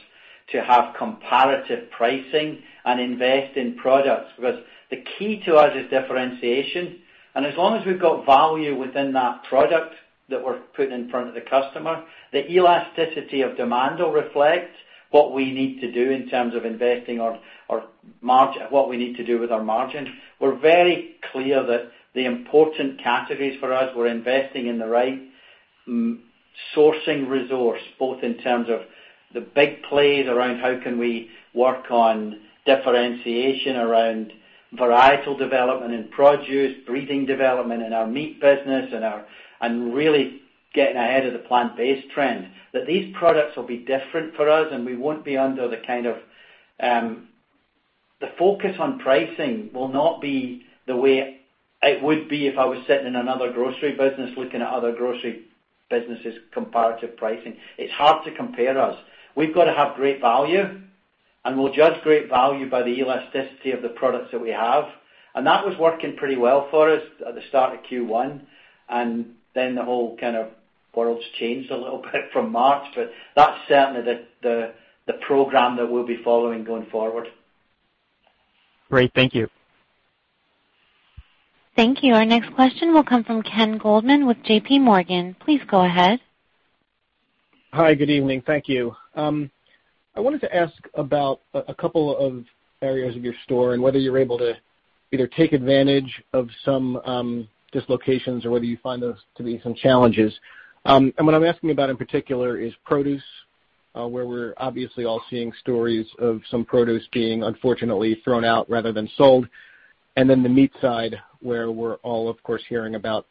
to have comparative pricing and invest in products, because the key to us is differentiation. As long as we've got value within that product that we're putting in front of the customer, the elasticity of demand will reflect what we need to do in terms of investing our margin, what we need to do with our margin. We're very clear that the important categories for us, we're investing in the right sourcing resource, both in terms of the big plays around how can we work on differentiation around varietal development and produce, breeding development in our meat business and really getting ahead of the plant-based trend. That these products will be different for us, and we won't be under. The focus on pricing will not be the way it would be if I was sitting in another grocery business looking at other grocery businesses' comparative pricing. It's hard to compare us. We've got to have great value, and we'll judge great value by the elasticity of the products that we have. That was working pretty well for us at the start of Q1, and then the whole kind of world's changed a little bit from March, but that's certainly the program that we'll be following going forward. Great. Thank you. Thank you. Our next question will come from Ken Goldman with JPMorgan. Please go ahead. Hi. Good evening. Thank you. I wanted to ask about a couple of areas of your store and whether you're able to either take advantage of some dislocations or whether you find those to be some challenges. What I'm asking about in particular is produce, where we're obviously all seeing stories of some produce being unfortunately thrown out rather than sold, and then the meat side, where we're all, of course, hearing about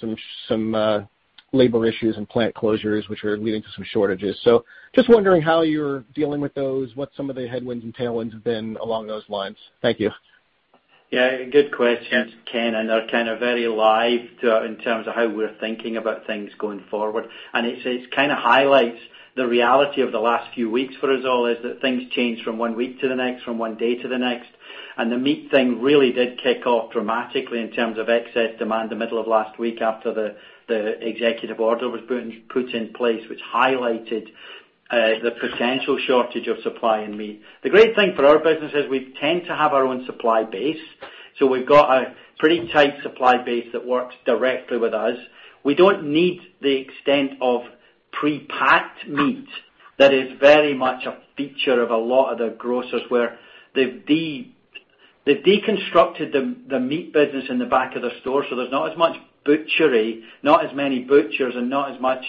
some labor issues and plant closures, which are leading to some shortages. Just wondering how you're dealing with those, what some of the headwinds and tailwinds have been along those lines. Thank you. Yeah. Good questions, Ken, are kind of very live in terms of how we're thinking about things going forward. It kind of highlights the reality of the last few weeks for us all is that things change from one week to the next, from one day to the next. The meat thing really did kick off dramatically in terms of excess demand the middle of last week after the executive order was put in place, which highlighted the potential shortage of supply in meat. The great thing for our business is we tend to have our own supply base. We've got a pretty tight supply base that works directly with us. We don't need the extent of prepacked meat that is very much a feature of a lot of the grocers, where they've deconstructed the meat business in the back of the store, so there's not as much butchery, not as many butchers, and not as much,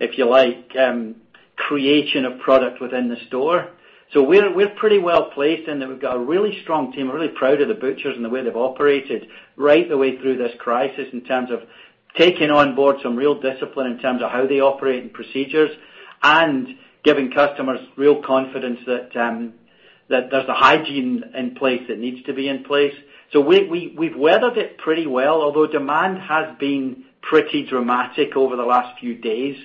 if you like, creation of product within the store. We're pretty well-placed in that we've got a really strong team. We're really proud of the butchers and the way they've operated right the way through this crisis in terms of taking on board some real discipline in terms of how they operate and procedures, and giving customers real confidence that there's the hygiene in place that needs to be in place. Although demand has been pretty dramatic over the last few days.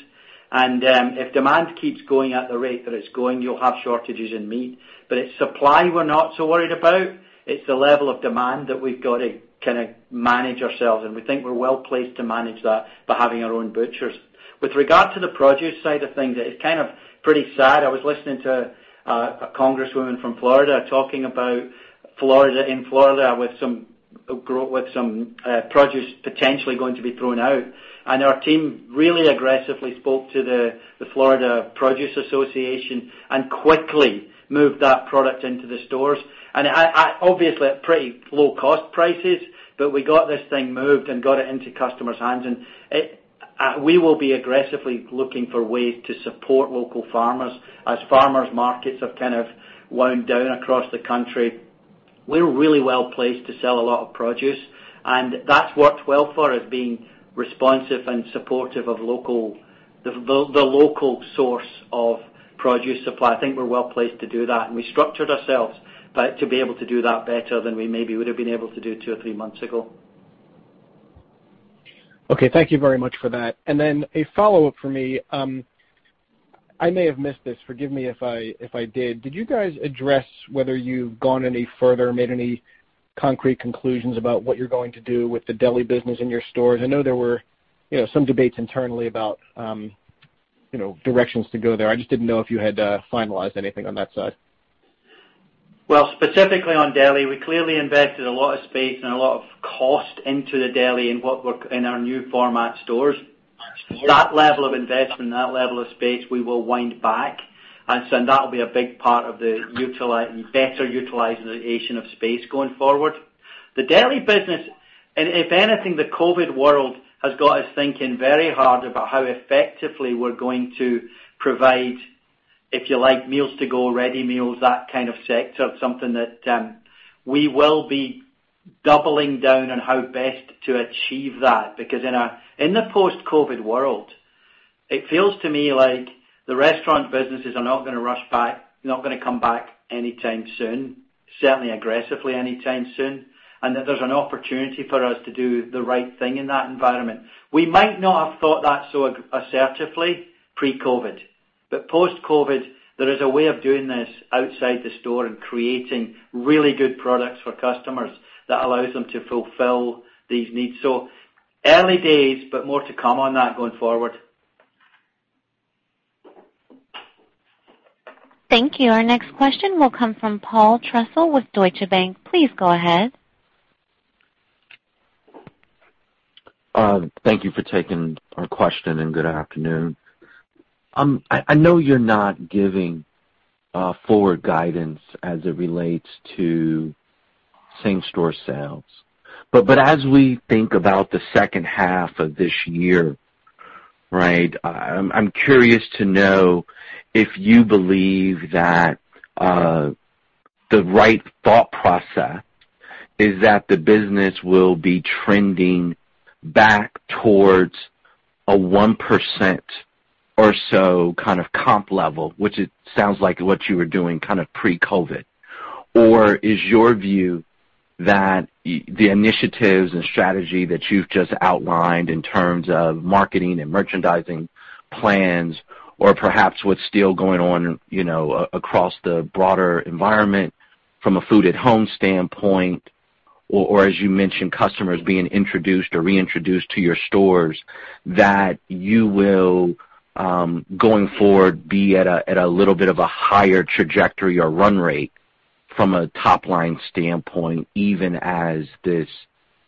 If demand keeps going at the rate that it's going, you'll have shortages in meat. It's supply we're not so worried about. It's the level of demand that we've got to kind of manage ourselves, and we think we're well-placed to manage that by having our own butchers. With regard to the produce side of things, it is kind of pretty sad. I was listening to a congresswoman from Florida talking about in Florida with some produce potentially going to be thrown out. Our team really aggressively spoke to the Florida Produce Association and quickly moved that product into the stores. Obviously at pretty low cost prices, but we got this thing moved and got it into customers' hands. We will be aggressively looking for ways to support local farmers as farmers' markets have kind of wound down across the country. We're really well-placed to sell a lot of produce, and that's worked well for us, being responsive and supportive of the local source of produce supply. I think we're well-placed to do that, and we structured ourselves to be able to do that better than we maybe would've been able to do two or three months ago. Okay. Thank you very much for that. A follow-up for me. I may have missed this, forgive me if I did. Did you guys address whether you've gone any further or made any concrete conclusions about what you're going to do with the deli business in your stores? I know there were some debates internally about directions to go there. I just didn't know if you had finalized anything on that side. Well, specifically on deli, we clearly invested a lot of space and a lot of cost into the deli in our new format stores. That level of investment and that level of space, we will wind back, and so that will be a big part of the better utilization of space going forward. The deli business, if anything, the COVID world has got us thinking very hard about how effectively we're going to provide, if you like, meals to go, ready meals, that kind of sector, something that we will be doubling down on how best to achieve that. Because in the post-COVID world, it feels to me like the restaurant businesses are not going to rush back, not going to come back anytime soon, certainly aggressively anytime soon, and that there's an opportunity for us to do the right thing in that environment. We might not have thought that so assertively pre-COVID, but post-COVID, there is a way of doing this outside the store and creating really good products for customers that allows them to fulfill these needs. Early days, but more to come on that going forward. Thank you. Our next question will come from Paul Trussell with Deutsche Bank. Please go ahead. Thank you for taking our question, and good afternoon. I know you're not giving forward guidance as it relates to same-store sales, but as we think about the second half of this year, I'm curious to know if you believe that the right thought process is that the business will be trending back towards a 1% or so kind of comp level, which it sounds like what you were doing kind of pre-COVID. Is your view that the initiatives and strategy that you've just outlined in terms of marketing and merchandising plans or perhaps what's still going on across the broader environment from a food at home standpoint, or as you mentioned, customers being introduced or reintroduced to your stores, that you will, going forward, be at a little bit of a higher trajectory or run rate from a top line standpoint, even as this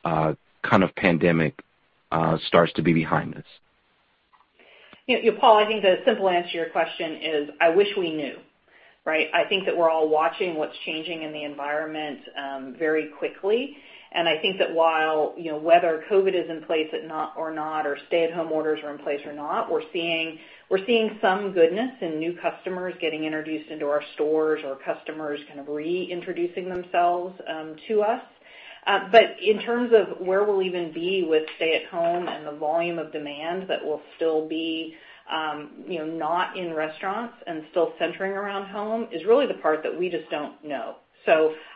kind of pandemic starts to be behind us? Paul, I think the simple answer to your question is, I wish we knew. I think that we're all watching what's changing in the environment very quickly, and I think that while whether COVID is in place or not, or stay at home orders are in place or not, we're seeing some goodness in new customers getting introduced into our stores or customers kind of re-introducing themselves to us. In terms of where we'll even be with stay at home and the volume of demand that will still be not in restaurants and still centering around home is really the part that we just don't know.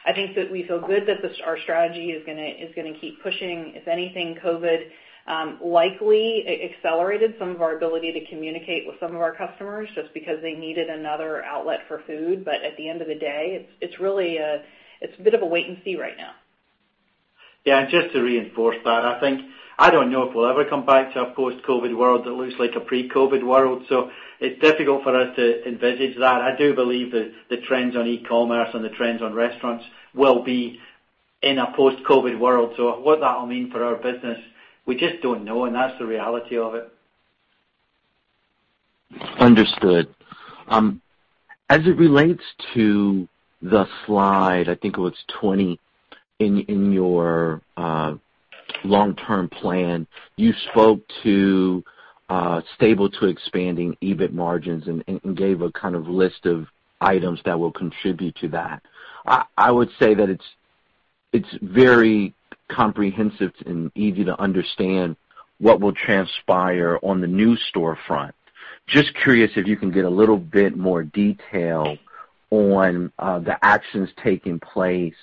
I think that we feel good that our strategy is going to keep pushing. If anything, COVID likely accelerated some of our ability to communicate with some of our customers just because they needed another outlet for food. At the end of the day, it's a bit of a wait and see right now. Yeah, just to reinforce that, I think, I don't know if we'll ever come back to a post-COVID world that looks like a pre-COVID world. It's difficult for us to envisage that. I do believe that the trends on e-commerce and the trends on restaurants will be in a post-COVID world. What that'll mean for our business, we just don't know. That's the reality of it. Understood. As it relates to the slide, I think it was 20 in your long term plan, you spoke to stable to expanding EBIT margins and gave a kind of list of items that will contribute to that. I would say that it's very comprehensive and easy to understand what will transpire on the new storefront. Just curious if you can get a little bit more detail on the actions taking place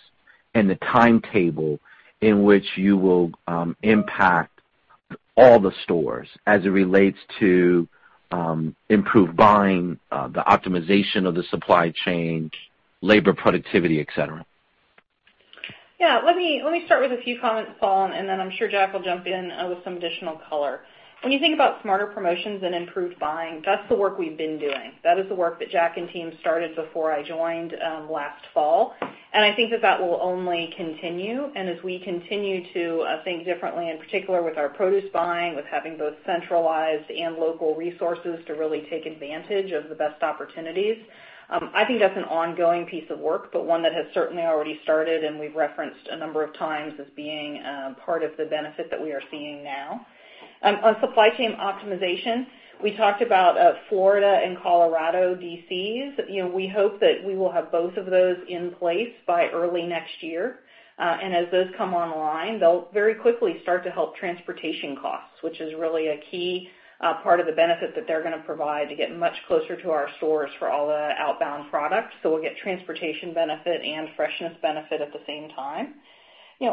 and the timetable in which you will impact all the stores as it relates to improved buying, the optimization of the supply chain, labor productivity, et cetera? Yeah. Let me start with a few comments, Paul, then I'm sure Jack will jump in with some additional color. When you think about smarter promotions and improved buying, that's the work we've been doing. That is the work that Jack and team started before I joined last fall, I think that that will only continue. As we continue to think differently, in particular with our produce buying, with having both centralized and local resources to really take advantage of the best opportunities, I think that's an ongoing piece of work, one that has certainly already started and we've referenced a number of times as being part of the benefit that we are seeing now. On supply chain optimization, we talked about Florida and Colorado DCs. We hope that we will have both of those in place by early next year. As those come online, they'll very quickly start to help transportation costs, which is really a key part of the benefit that they're going to provide to get much closer to our stores for all the outbound products. We'll get transportation benefit and freshness benefit at the same time.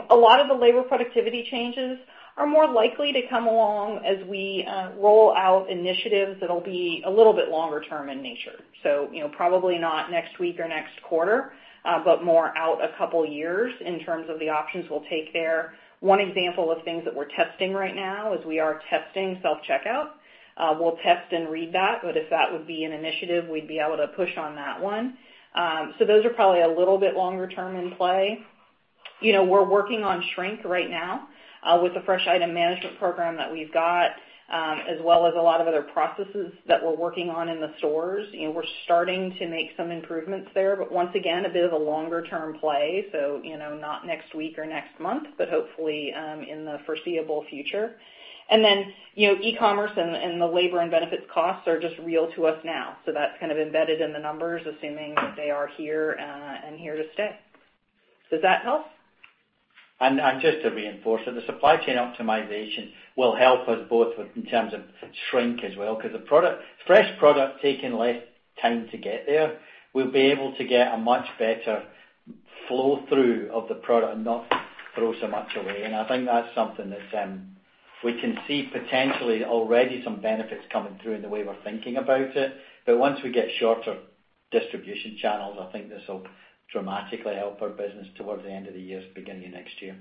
A lot of the labor productivity changes are more likely to come along as we roll out initiatives that'll be a little bit longer term in nature. Probably not next week or next quarter, but more out a couple of years in terms of the options we'll take there. One example of things that we're testing right now is we are testing self-checkout. We'll test and read that, if that would be an initiative, we'd be able to push on that one. Those are probably a little bit longer term in play. We're working on shrink right now with the fresh item management program that we've got, as well as a lot of other processes that we're working on in the stores. We're starting to make some improvements there, but once again, a bit of a longer-term play, so not next week or next month, but hopefully, in the foreseeable future. Then, e-commerce and the labor and benefits costs are just real to us now. That's kind of embedded in the numbers, assuming that they are here and here to stay. Does that help? Just to reinforce it, the supply chain optimization will help us both in terms of shrink as well, because fresh product taking less time to get there, we'll be able to get a much better flow through of the product and not throw so much away. I think that's something that we can see potentially already some benefits coming through in the way we're thinking about it. Once we get shorter distribution channels, I think this will dramatically help our business towards the end of the year, beginning of next year.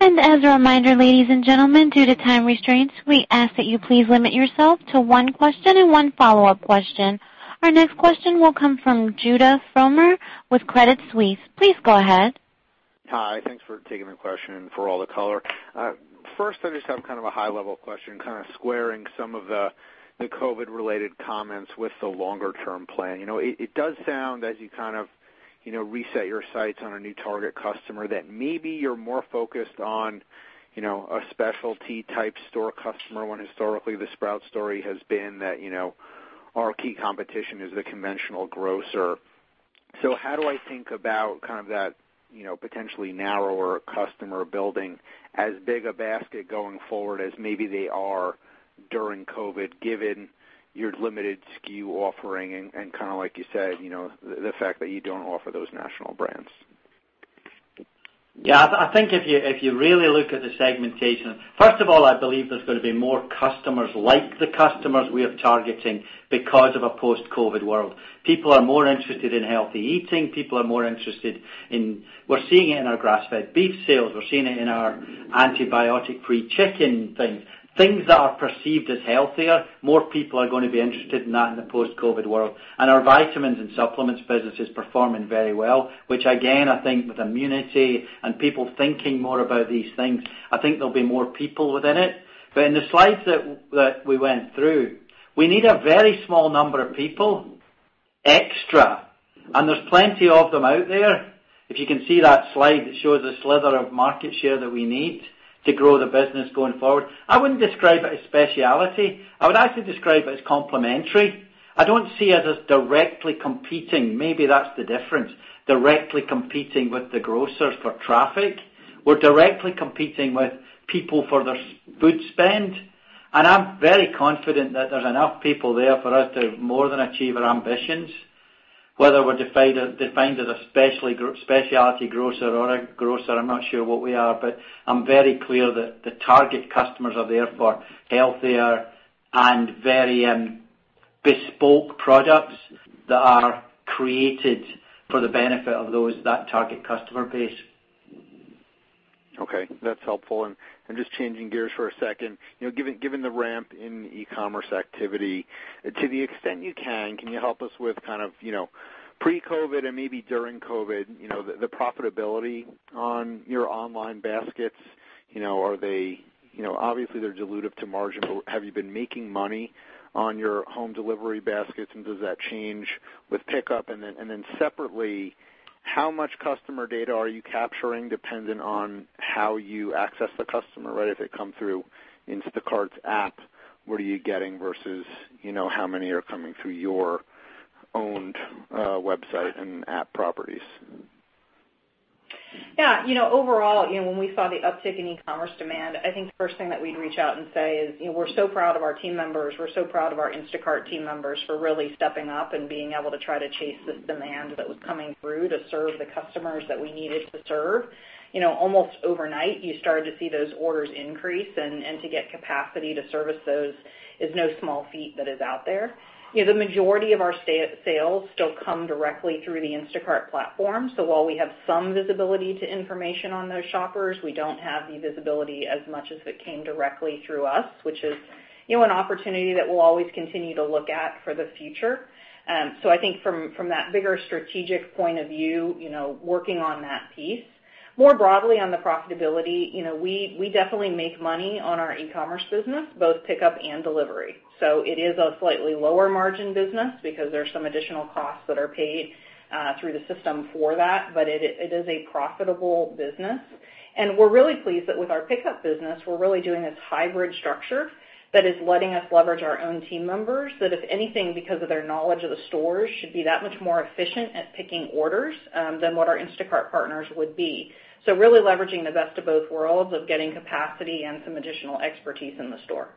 As a reminder, ladies and gentlemen, due to time restraints, we ask that you please limit yourself to one question and one follow-up question. Our next question will come from Judah Frommer with Credit Suisse. Please go ahead. Hi, thanks for taking the question and for all the color. First, I just have a high-level question, squaring some of the COVID-related comments with the longer-term plan. It does sound as you reset your sights on a new target customer that maybe you're more focused on a specialty type store customer, when historically the Sprouts story has been that our key competition is the conventional grocer. How do I think about that potentially narrower customer building as big a basket going forward as maybe they are during COVID, given your limited SKU offering and like you said, the fact that you don't offer those national brands? Yeah, I think if you really look at the segmentation, first of all, I believe there's going to be more customers like the customers we are targeting because of a post-COVID world. People are more interested in healthy eating. We're seeing it in our grass-fed beef sales. We're seeing it in our antibiotic-free chicken things. Things that are perceived as healthier, more people are going to be interested in that in the post-COVID world. Our vitamins and supplements business is performing very well, which again, I think with immunity and people thinking more about these things, I think there'll be more people within it. In the slides that we went through, we need a very small number of people extra, and there's plenty of them out there. If you can see that slide that shows a slither of market share that we need to grow the business going forward. I wouldn't describe it as specialty. I would actually describe it as complementary. I don't see it as directly competing. Maybe that's the difference. Directly competing with the grocers for traffic. We're directly competing with people for their food spend. I'm very confident that there's enough people there for us to more than achieve our ambitions. Whether we're defined as a specialty grocer or a grocer, I'm not sure what we are, but I'm very clear that the target customers are there for healthier and very bespoke products that are created for the benefit of that target customer base. Okay, that's helpful. Just changing gears for a second. Given the ramp in e-commerce activity, to the extent you can you help us with kind of pre-COVID and maybe during COVID, the profitability on your online baskets. Obviously, they're dilutive to margin, but have you been making money on your home delivery baskets and does that change with pickup? Separately, how much customer data are you capturing dependent on how you access the customer, right? If they come through Instacart's app, what are you getting versus how many are coming through your owned website and app properties? Overall, when we saw the uptick in e-commerce demand, I think the first thing that we'd reach out and say is, we're so proud of our team members. We're so proud of our Instacart team members for really stepping up and being able to try to chase this demand that was coming through to serve the customers that we needed to serve. Almost overnight, you started to see those orders increase and to get capacity to service those is no small feat that is out there. The majority of our sales still come directly through the Instacart platform. While we have some visibility to information on those shoppers, we don't have the visibility as much as it came directly through us, which is an opportunity that we'll always continue to look at for the future. I think from that bigger strategic point of view, working on that piece. More broadly on the profitability, we definitely make money on our e-commerce business, both pickup and delivery. It is a slightly lower margin business because there's some additional costs that are paid through the system for that, but it is a profitable business. We're really pleased that with our pickup business, we're really doing this hybrid structure that is letting us leverage our own team members that if anything, because of their knowledge of the stores, should be that much more efficient at picking orders than what our Instacart partners would be. Really leveraging the best of both worlds of getting capacity and some additional expertise in the store.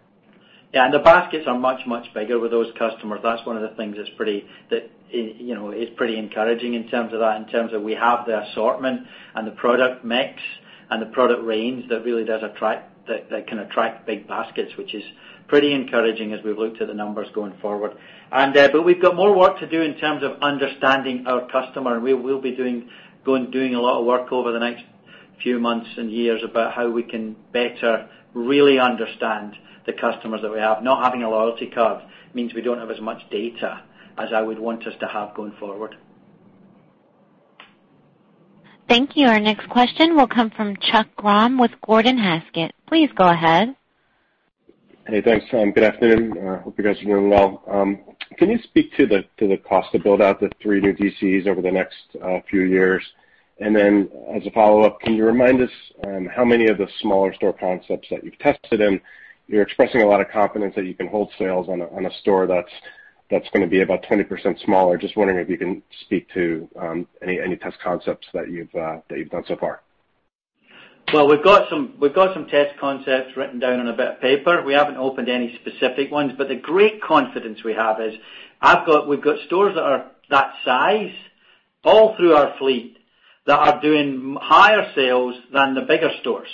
Yeah, the baskets are much, much bigger with those customers. That's one of the things that is pretty encouraging in terms of that, in terms of we have the assortment and the product mix and the product range that can attract big baskets, which is pretty encouraging as we look to the numbers going forward. We've got more work to do in terms of understanding our customer, and we will be doing a lot of work over the next few months and years about how we can better really understand the customers that we have. Not having a loyalty card means we don't have as much data as I would want us to have going forward. Thank you. Our next question will come from Chuck Grom with Gordon Haskett. Please go ahead. Hey, thanks. Good afternoon. Hope you guys are doing well. Can you speak to the cost to build out the three new DCs over the next few years? As a follow-up, can you remind us how many of the smaller store concepts that you've tested, and you're expressing a lot of confidence that you can hold sales on a store that's going to be about 20% smaller. Just wondering if you can speak to any test concepts that you've done so far. Well, we've got some test concepts written down on a bit of paper. We haven't opened any specific ones, but the great confidence we have is we've got stores that are that size all through our fleet that are doing higher sales than the bigger stores.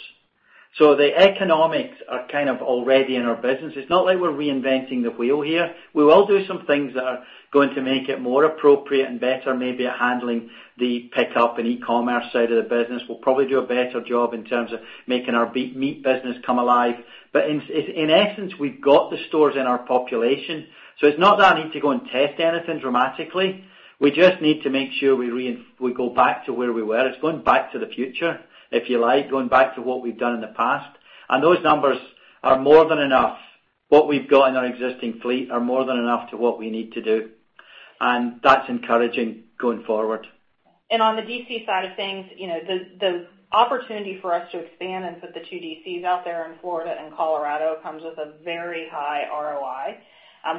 The economics are kind of already in our business. It's not like we're reinventing the wheel here. We will do some things that are going to make it more appropriate and better maybe at handling the pickup and e-commerce side of the business. We'll probably do a better job in terms of making our meat business come alive. In essence, we've got the stores in our population, so it's not that I need to go and test anything dramatically. We just need to make sure we go back to where we were. It's going back to the future, if you like, going back to what we've done in the past. Those numbers are more than enough. What we've got in our existing fleet are more than enough to what we need to do, and that's encouraging going forward. On the DC side of things, the opportunity for us to expand and put the two DCs out there in Florida and Colorado comes with a very high ROI.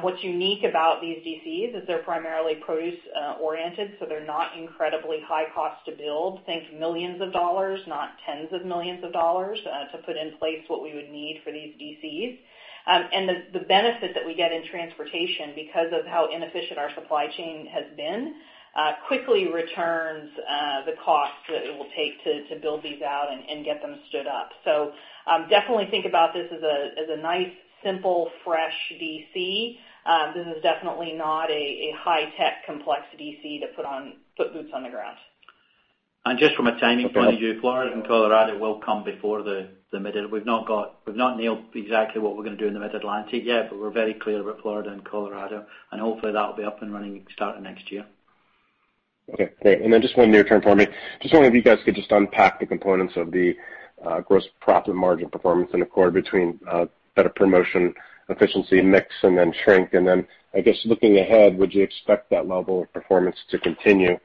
What's unique about these DCs is they're primarily produce oriented, so they're not incredibly high cost to build. Think millions of dollars, not tens of millions of dollars to put in place what we would need for these DCs. The benefit that we get in transportation because of how inefficient our supply chain has been, quickly returns the cost that it will take to build these out and get them stood up. Definitely think about this as a nice, simple, fresh DC. This is definitely not a high-tech, complex DC to put boots on the ground. Just from a timing point of view, Florida and Colorado will come before the mid. We've not nailed exactly what we're going to do in the mid-Atlantic yet, but we're very clear about Florida and Colorado, and hopefully that'll be up and running starting next year. Okay, great. Just one near term for me. Just wondering if you guys could just unpack the components of the gross profit margin performance in the quarter between better promotion, efficiency, mix, and then shrink. I guess looking ahead, would you expect that level of performance to continue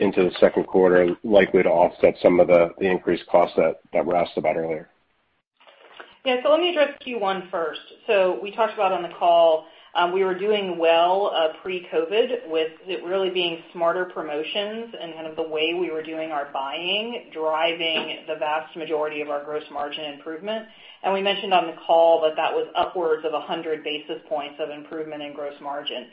into the second quarter likely to offset some of the increased costs that [rose] about earlier? Yeah. Let me address Q1 first. We talked about on the call, we were doing well pre-COVID with it really being smarter promotions and kind of the way we were doing our buying, driving the vast majority of our gross margin improvement. We mentioned on the call that that was upwards of 100 basis points of improvement in gross margin.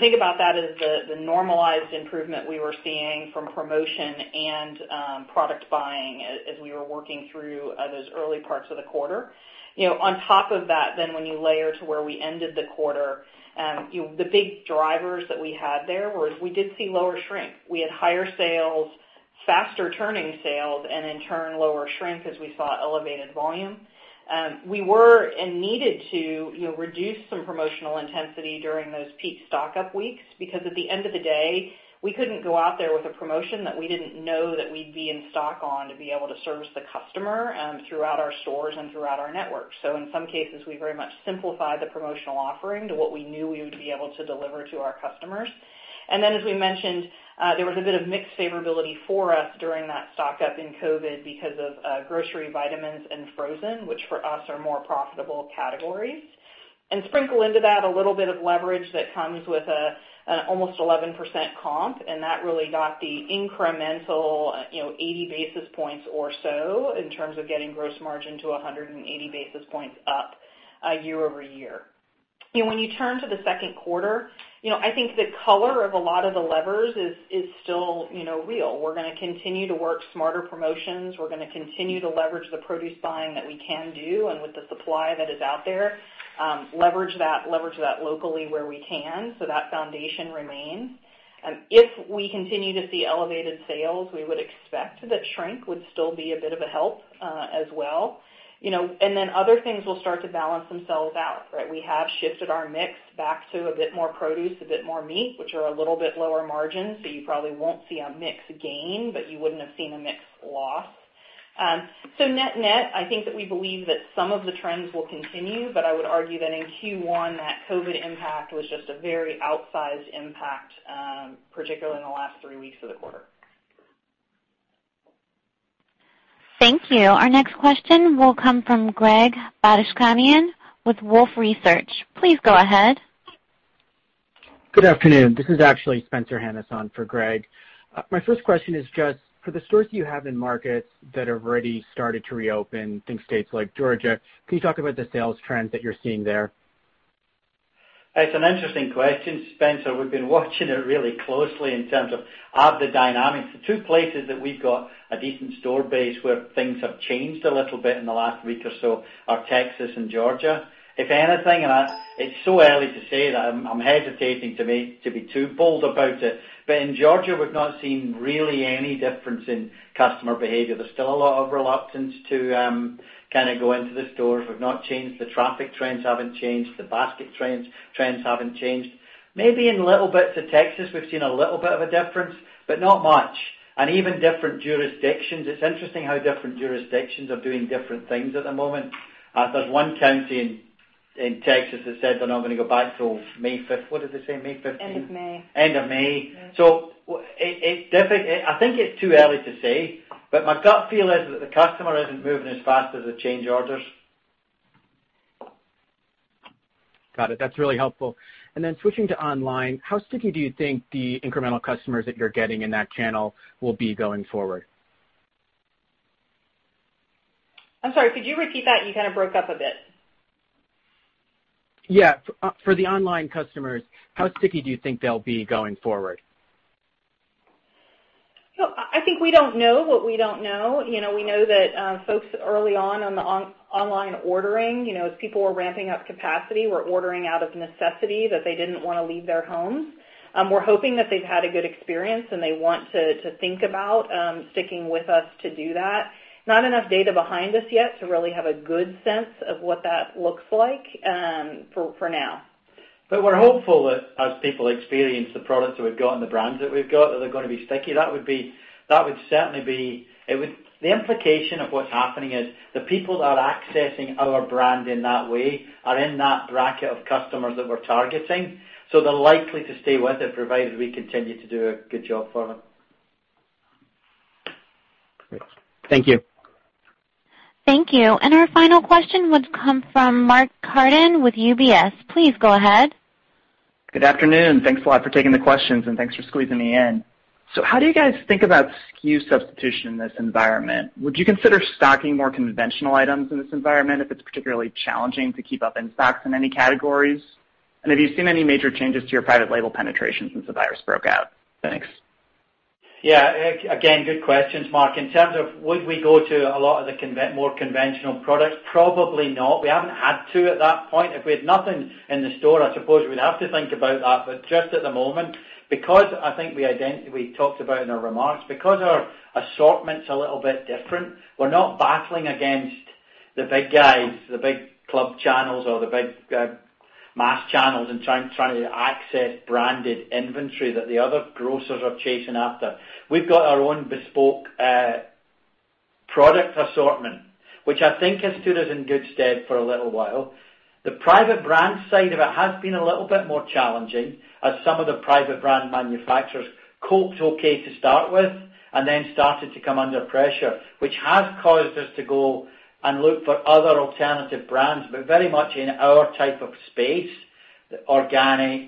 Think about that as the normalized improvement we were seeing from promotion and product buying as we were working through those early parts of the quarter. On top of that, when you layer to where we ended the quarter, the big drivers that we had there was we did see lower shrink. We had higher sales, faster turning sales, and in turn, lower shrink as we saw elevated volume. We were and needed to reduce some promotional intensity during those peak stock-up weeks because at the end of the day, we couldn't go out there with a promotion that we didn't know that we'd be in stock on to be able to service the customer throughout our stores and throughout our network. In some cases, we very much simplified the promotional offering to what we knew we would be able to deliver to our customers. As we mentioned, there was a bit of mix favorability for us during that stock-up in COVID-19 because of grocery, vitamins, and frozen, which for us are more profitable categories. Sprinkle into that a little bit of leverage that comes with an almost 11% comp, and that really got the incremental 80 basis points or so in terms of getting gross margin to 180 basis points up year-over-year. When you turn to the second quarter, I think the color of a lot of the levers is still real. We're going to continue to work smarter promotions. We're going to continue to leverage the produce buying that we can do and with the supply that is out there, leverage that locally where we can so that foundation remains. If we continue to see elevated sales, we would expect that shrink would still be a bit of a help as well. Other things will start to balance themselves out, right? We have shifted our mix back to a bit more produce, a bit more meat, which are a little bit lower margin. You probably won't see a mix gain, but you wouldn't have seen a mix loss. Net-net, I think that we believe that some of the trends will continue, but I would argue that in Q1, that COVID impact was just a very outsized impact, particularly in the last three weeks of the quarter. Thank you. Our next question will come from Greg Badishkanian with Wolfe Research. Please go ahead. Good afternoon. This is actually Spencer Hanus for Greg. My first question is just for the stores that you have in markets that have already started to reopen, think states like Georgia, can you talk about the sales trends that you're seeing there? It's an interesting question, Spencer. We've been watching it really closely in terms of the dynamics. The two places that we've got a decent store base where things have changed a little bit in the last week or so are Texas and Georgia. If anything, and it's so early to say that I'm hesitating to be too bold about it, but in Georgia, we've not seen really any difference in customer behavior. There's still a lot of reluctance to go into the stores. We've not changed. The traffic trends haven't changed. The basket trends haven't changed. Maybe in little bits of Texas, we've seen a little bit of a difference, but not much. Even different jurisdictions, it's interesting how different jurisdictions are doing different things at the moment. There's one county in Texas that said they're now going to go back to May 5th. What did they say? May 15th? End of May. End of May. I think it's too early to say, but my gut feel is that the customer isn't moving as fast as the change orders. Got it. That's really helpful. Switching to online, how sticky do you think the incremental customers that you're getting in that channel will be going forward? I'm sorry, could you repeat that? You kind of broke up a bit. For the online customers, how sticky do you think they'll be going forward? I think we don't know what we don't know. We know that folks early on the online ordering, as people were ramping up capacity, were ordering out of necessity that they didn't want to leave their homes. We're hoping that they've had a good experience and they want to think about sticking with us to do that. Not enough data behind us yet to really have a good sense of what that looks like for now. We're hopeful that as people experience the products that we've got and the brands that we've got, that they're going to be sticky. The implication of what's happening is the people that are accessing our brand in that way are in that bracket of customers that we're targeting. They're likely to stay with it, provided we continue to do a good job for them. Great. Thank you. Thank you. Our final question would come from Mark Carden with UBS. Please go ahead. Good afternoon. Thanks a lot for taking the questions and thanks for squeezing me in. How do you guys think about SKU substitution in this environment? Would you consider stocking more conventional items in this environment if it's particularly challenging to keep up in stocks in any categories? Have you seen any major changes to your private label penetration since the virus broke out? Thanks. Yeah. Again, good questions, Mark. In terms of would we go to a lot of the more conventional products, probably not. We haven't had to at that point. If we had nothing in the store, I suppose we'd have to think about that. Just at the moment, because I think we talked about in our remarks, because our assortment's a little bit different, we're not battling against the big guys, the big club channels or the big mass channels and trying to access branded inventory that the other grocers are chasing after. We've got our own bespoke product assortment, which I think has stood us in good stead for a little while. The private brand side of it has been a little bit more challenging as some of the private brand manufacturers coped okay to start with, and then started to come under pressure, which has caused us to go and look for other alternative brands, but very much in our type of space, natural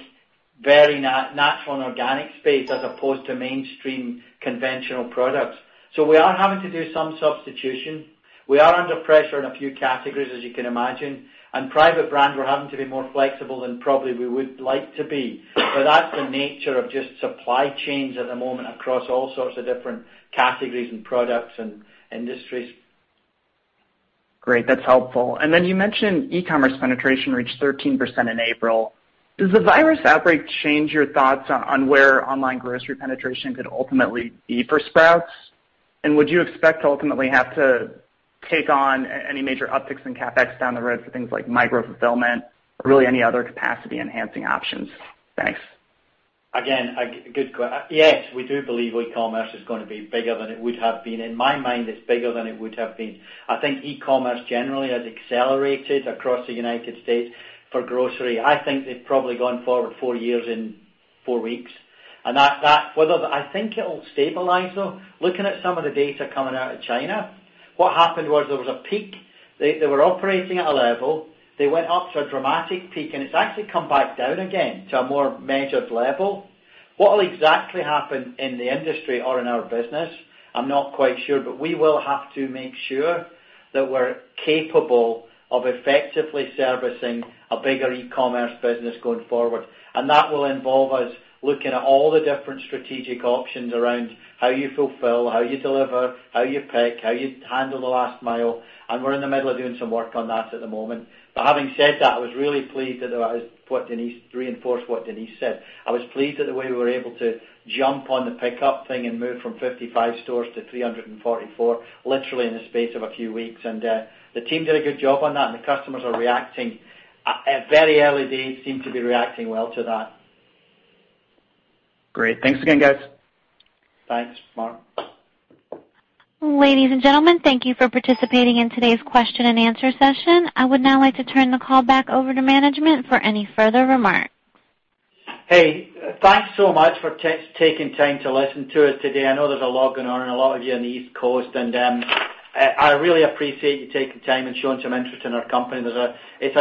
and organic space, as opposed to mainstream conventional products. We are having to do some substitution. We are under pressure in a few categories, as you can imagine. Private brand, we're having to be more flexible than probably we would like to be. That's the nature of just supply chains at the moment across all sorts of different categories and products and industries. Great. That's helpful. Then you mentioned e-commerce penetration reached 13% in April. Does the virus outbreak change your thoughts on where online grocery penetration could ultimately be for Sprouts? Would you expect to ultimately have to take on any major upticks in CapEx down the road for things like micro-fulfillment or really any other capacity enhancing options? Thanks. Again, good question. Yes, we do believe e-commerce is going to be bigger than it would have been. In my mind, it's bigger than it would have been. I think e-commerce generally has accelerated across the United States for grocery. I think they've probably gone forward four years in four weeks, and I think it'll stabilize, though. Looking at some of the data coming out of China, what happened was there was a peak. They were operating at a level. They went up to a dramatic peak, and it's actually come back down again to a more measured level. What will exactly happen in the industry or in our business, I'm not quite sure, but we will have to make sure that we're capable of effectively servicing a bigger e-commerce business going forward. That will involve us looking at all the different strategic options around how you fulfill, how you deliver, how you pick, how you handle the last mile. We're in the middle of doing some work on that at the moment. Having said that, to reinforce what Denise said, I was pleased at the way we were able to jump on the pickup thing and move from 55 stores to 344 literally in the space of a few weeks. The team did a good job on that, and the customers are reacting. At very early days seem to be reacting well to that. Great. Thanks again, guys. Thanks, Mark. Ladies and gentlemen, thank you for participating in today's question and answer session. I would now like to turn the call back over to management for any further remarks. Hey, thanks so much for taking time to listen to us today. I know there's a lot going on and a lot of you on the East Coast. I really appreciate you taking time and showing some interest in our company. It's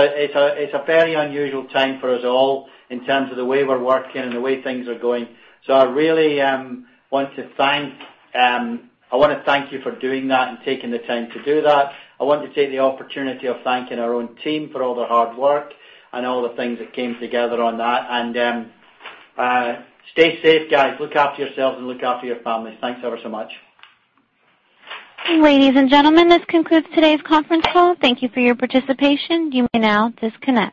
a very unusual time for us all in terms of the way we're working and the way things are going. I really want to thank you for doing that and taking the time to do that. I want to take the opportunity of thanking our own team for all their hard work and all the things that came together on that. Stay safe, guys. Look after yourselves and look after your families. Thanks ever so much. Ladies and gentlemen, this concludes today's conference call. Thank you for your participation. You may now disconnect.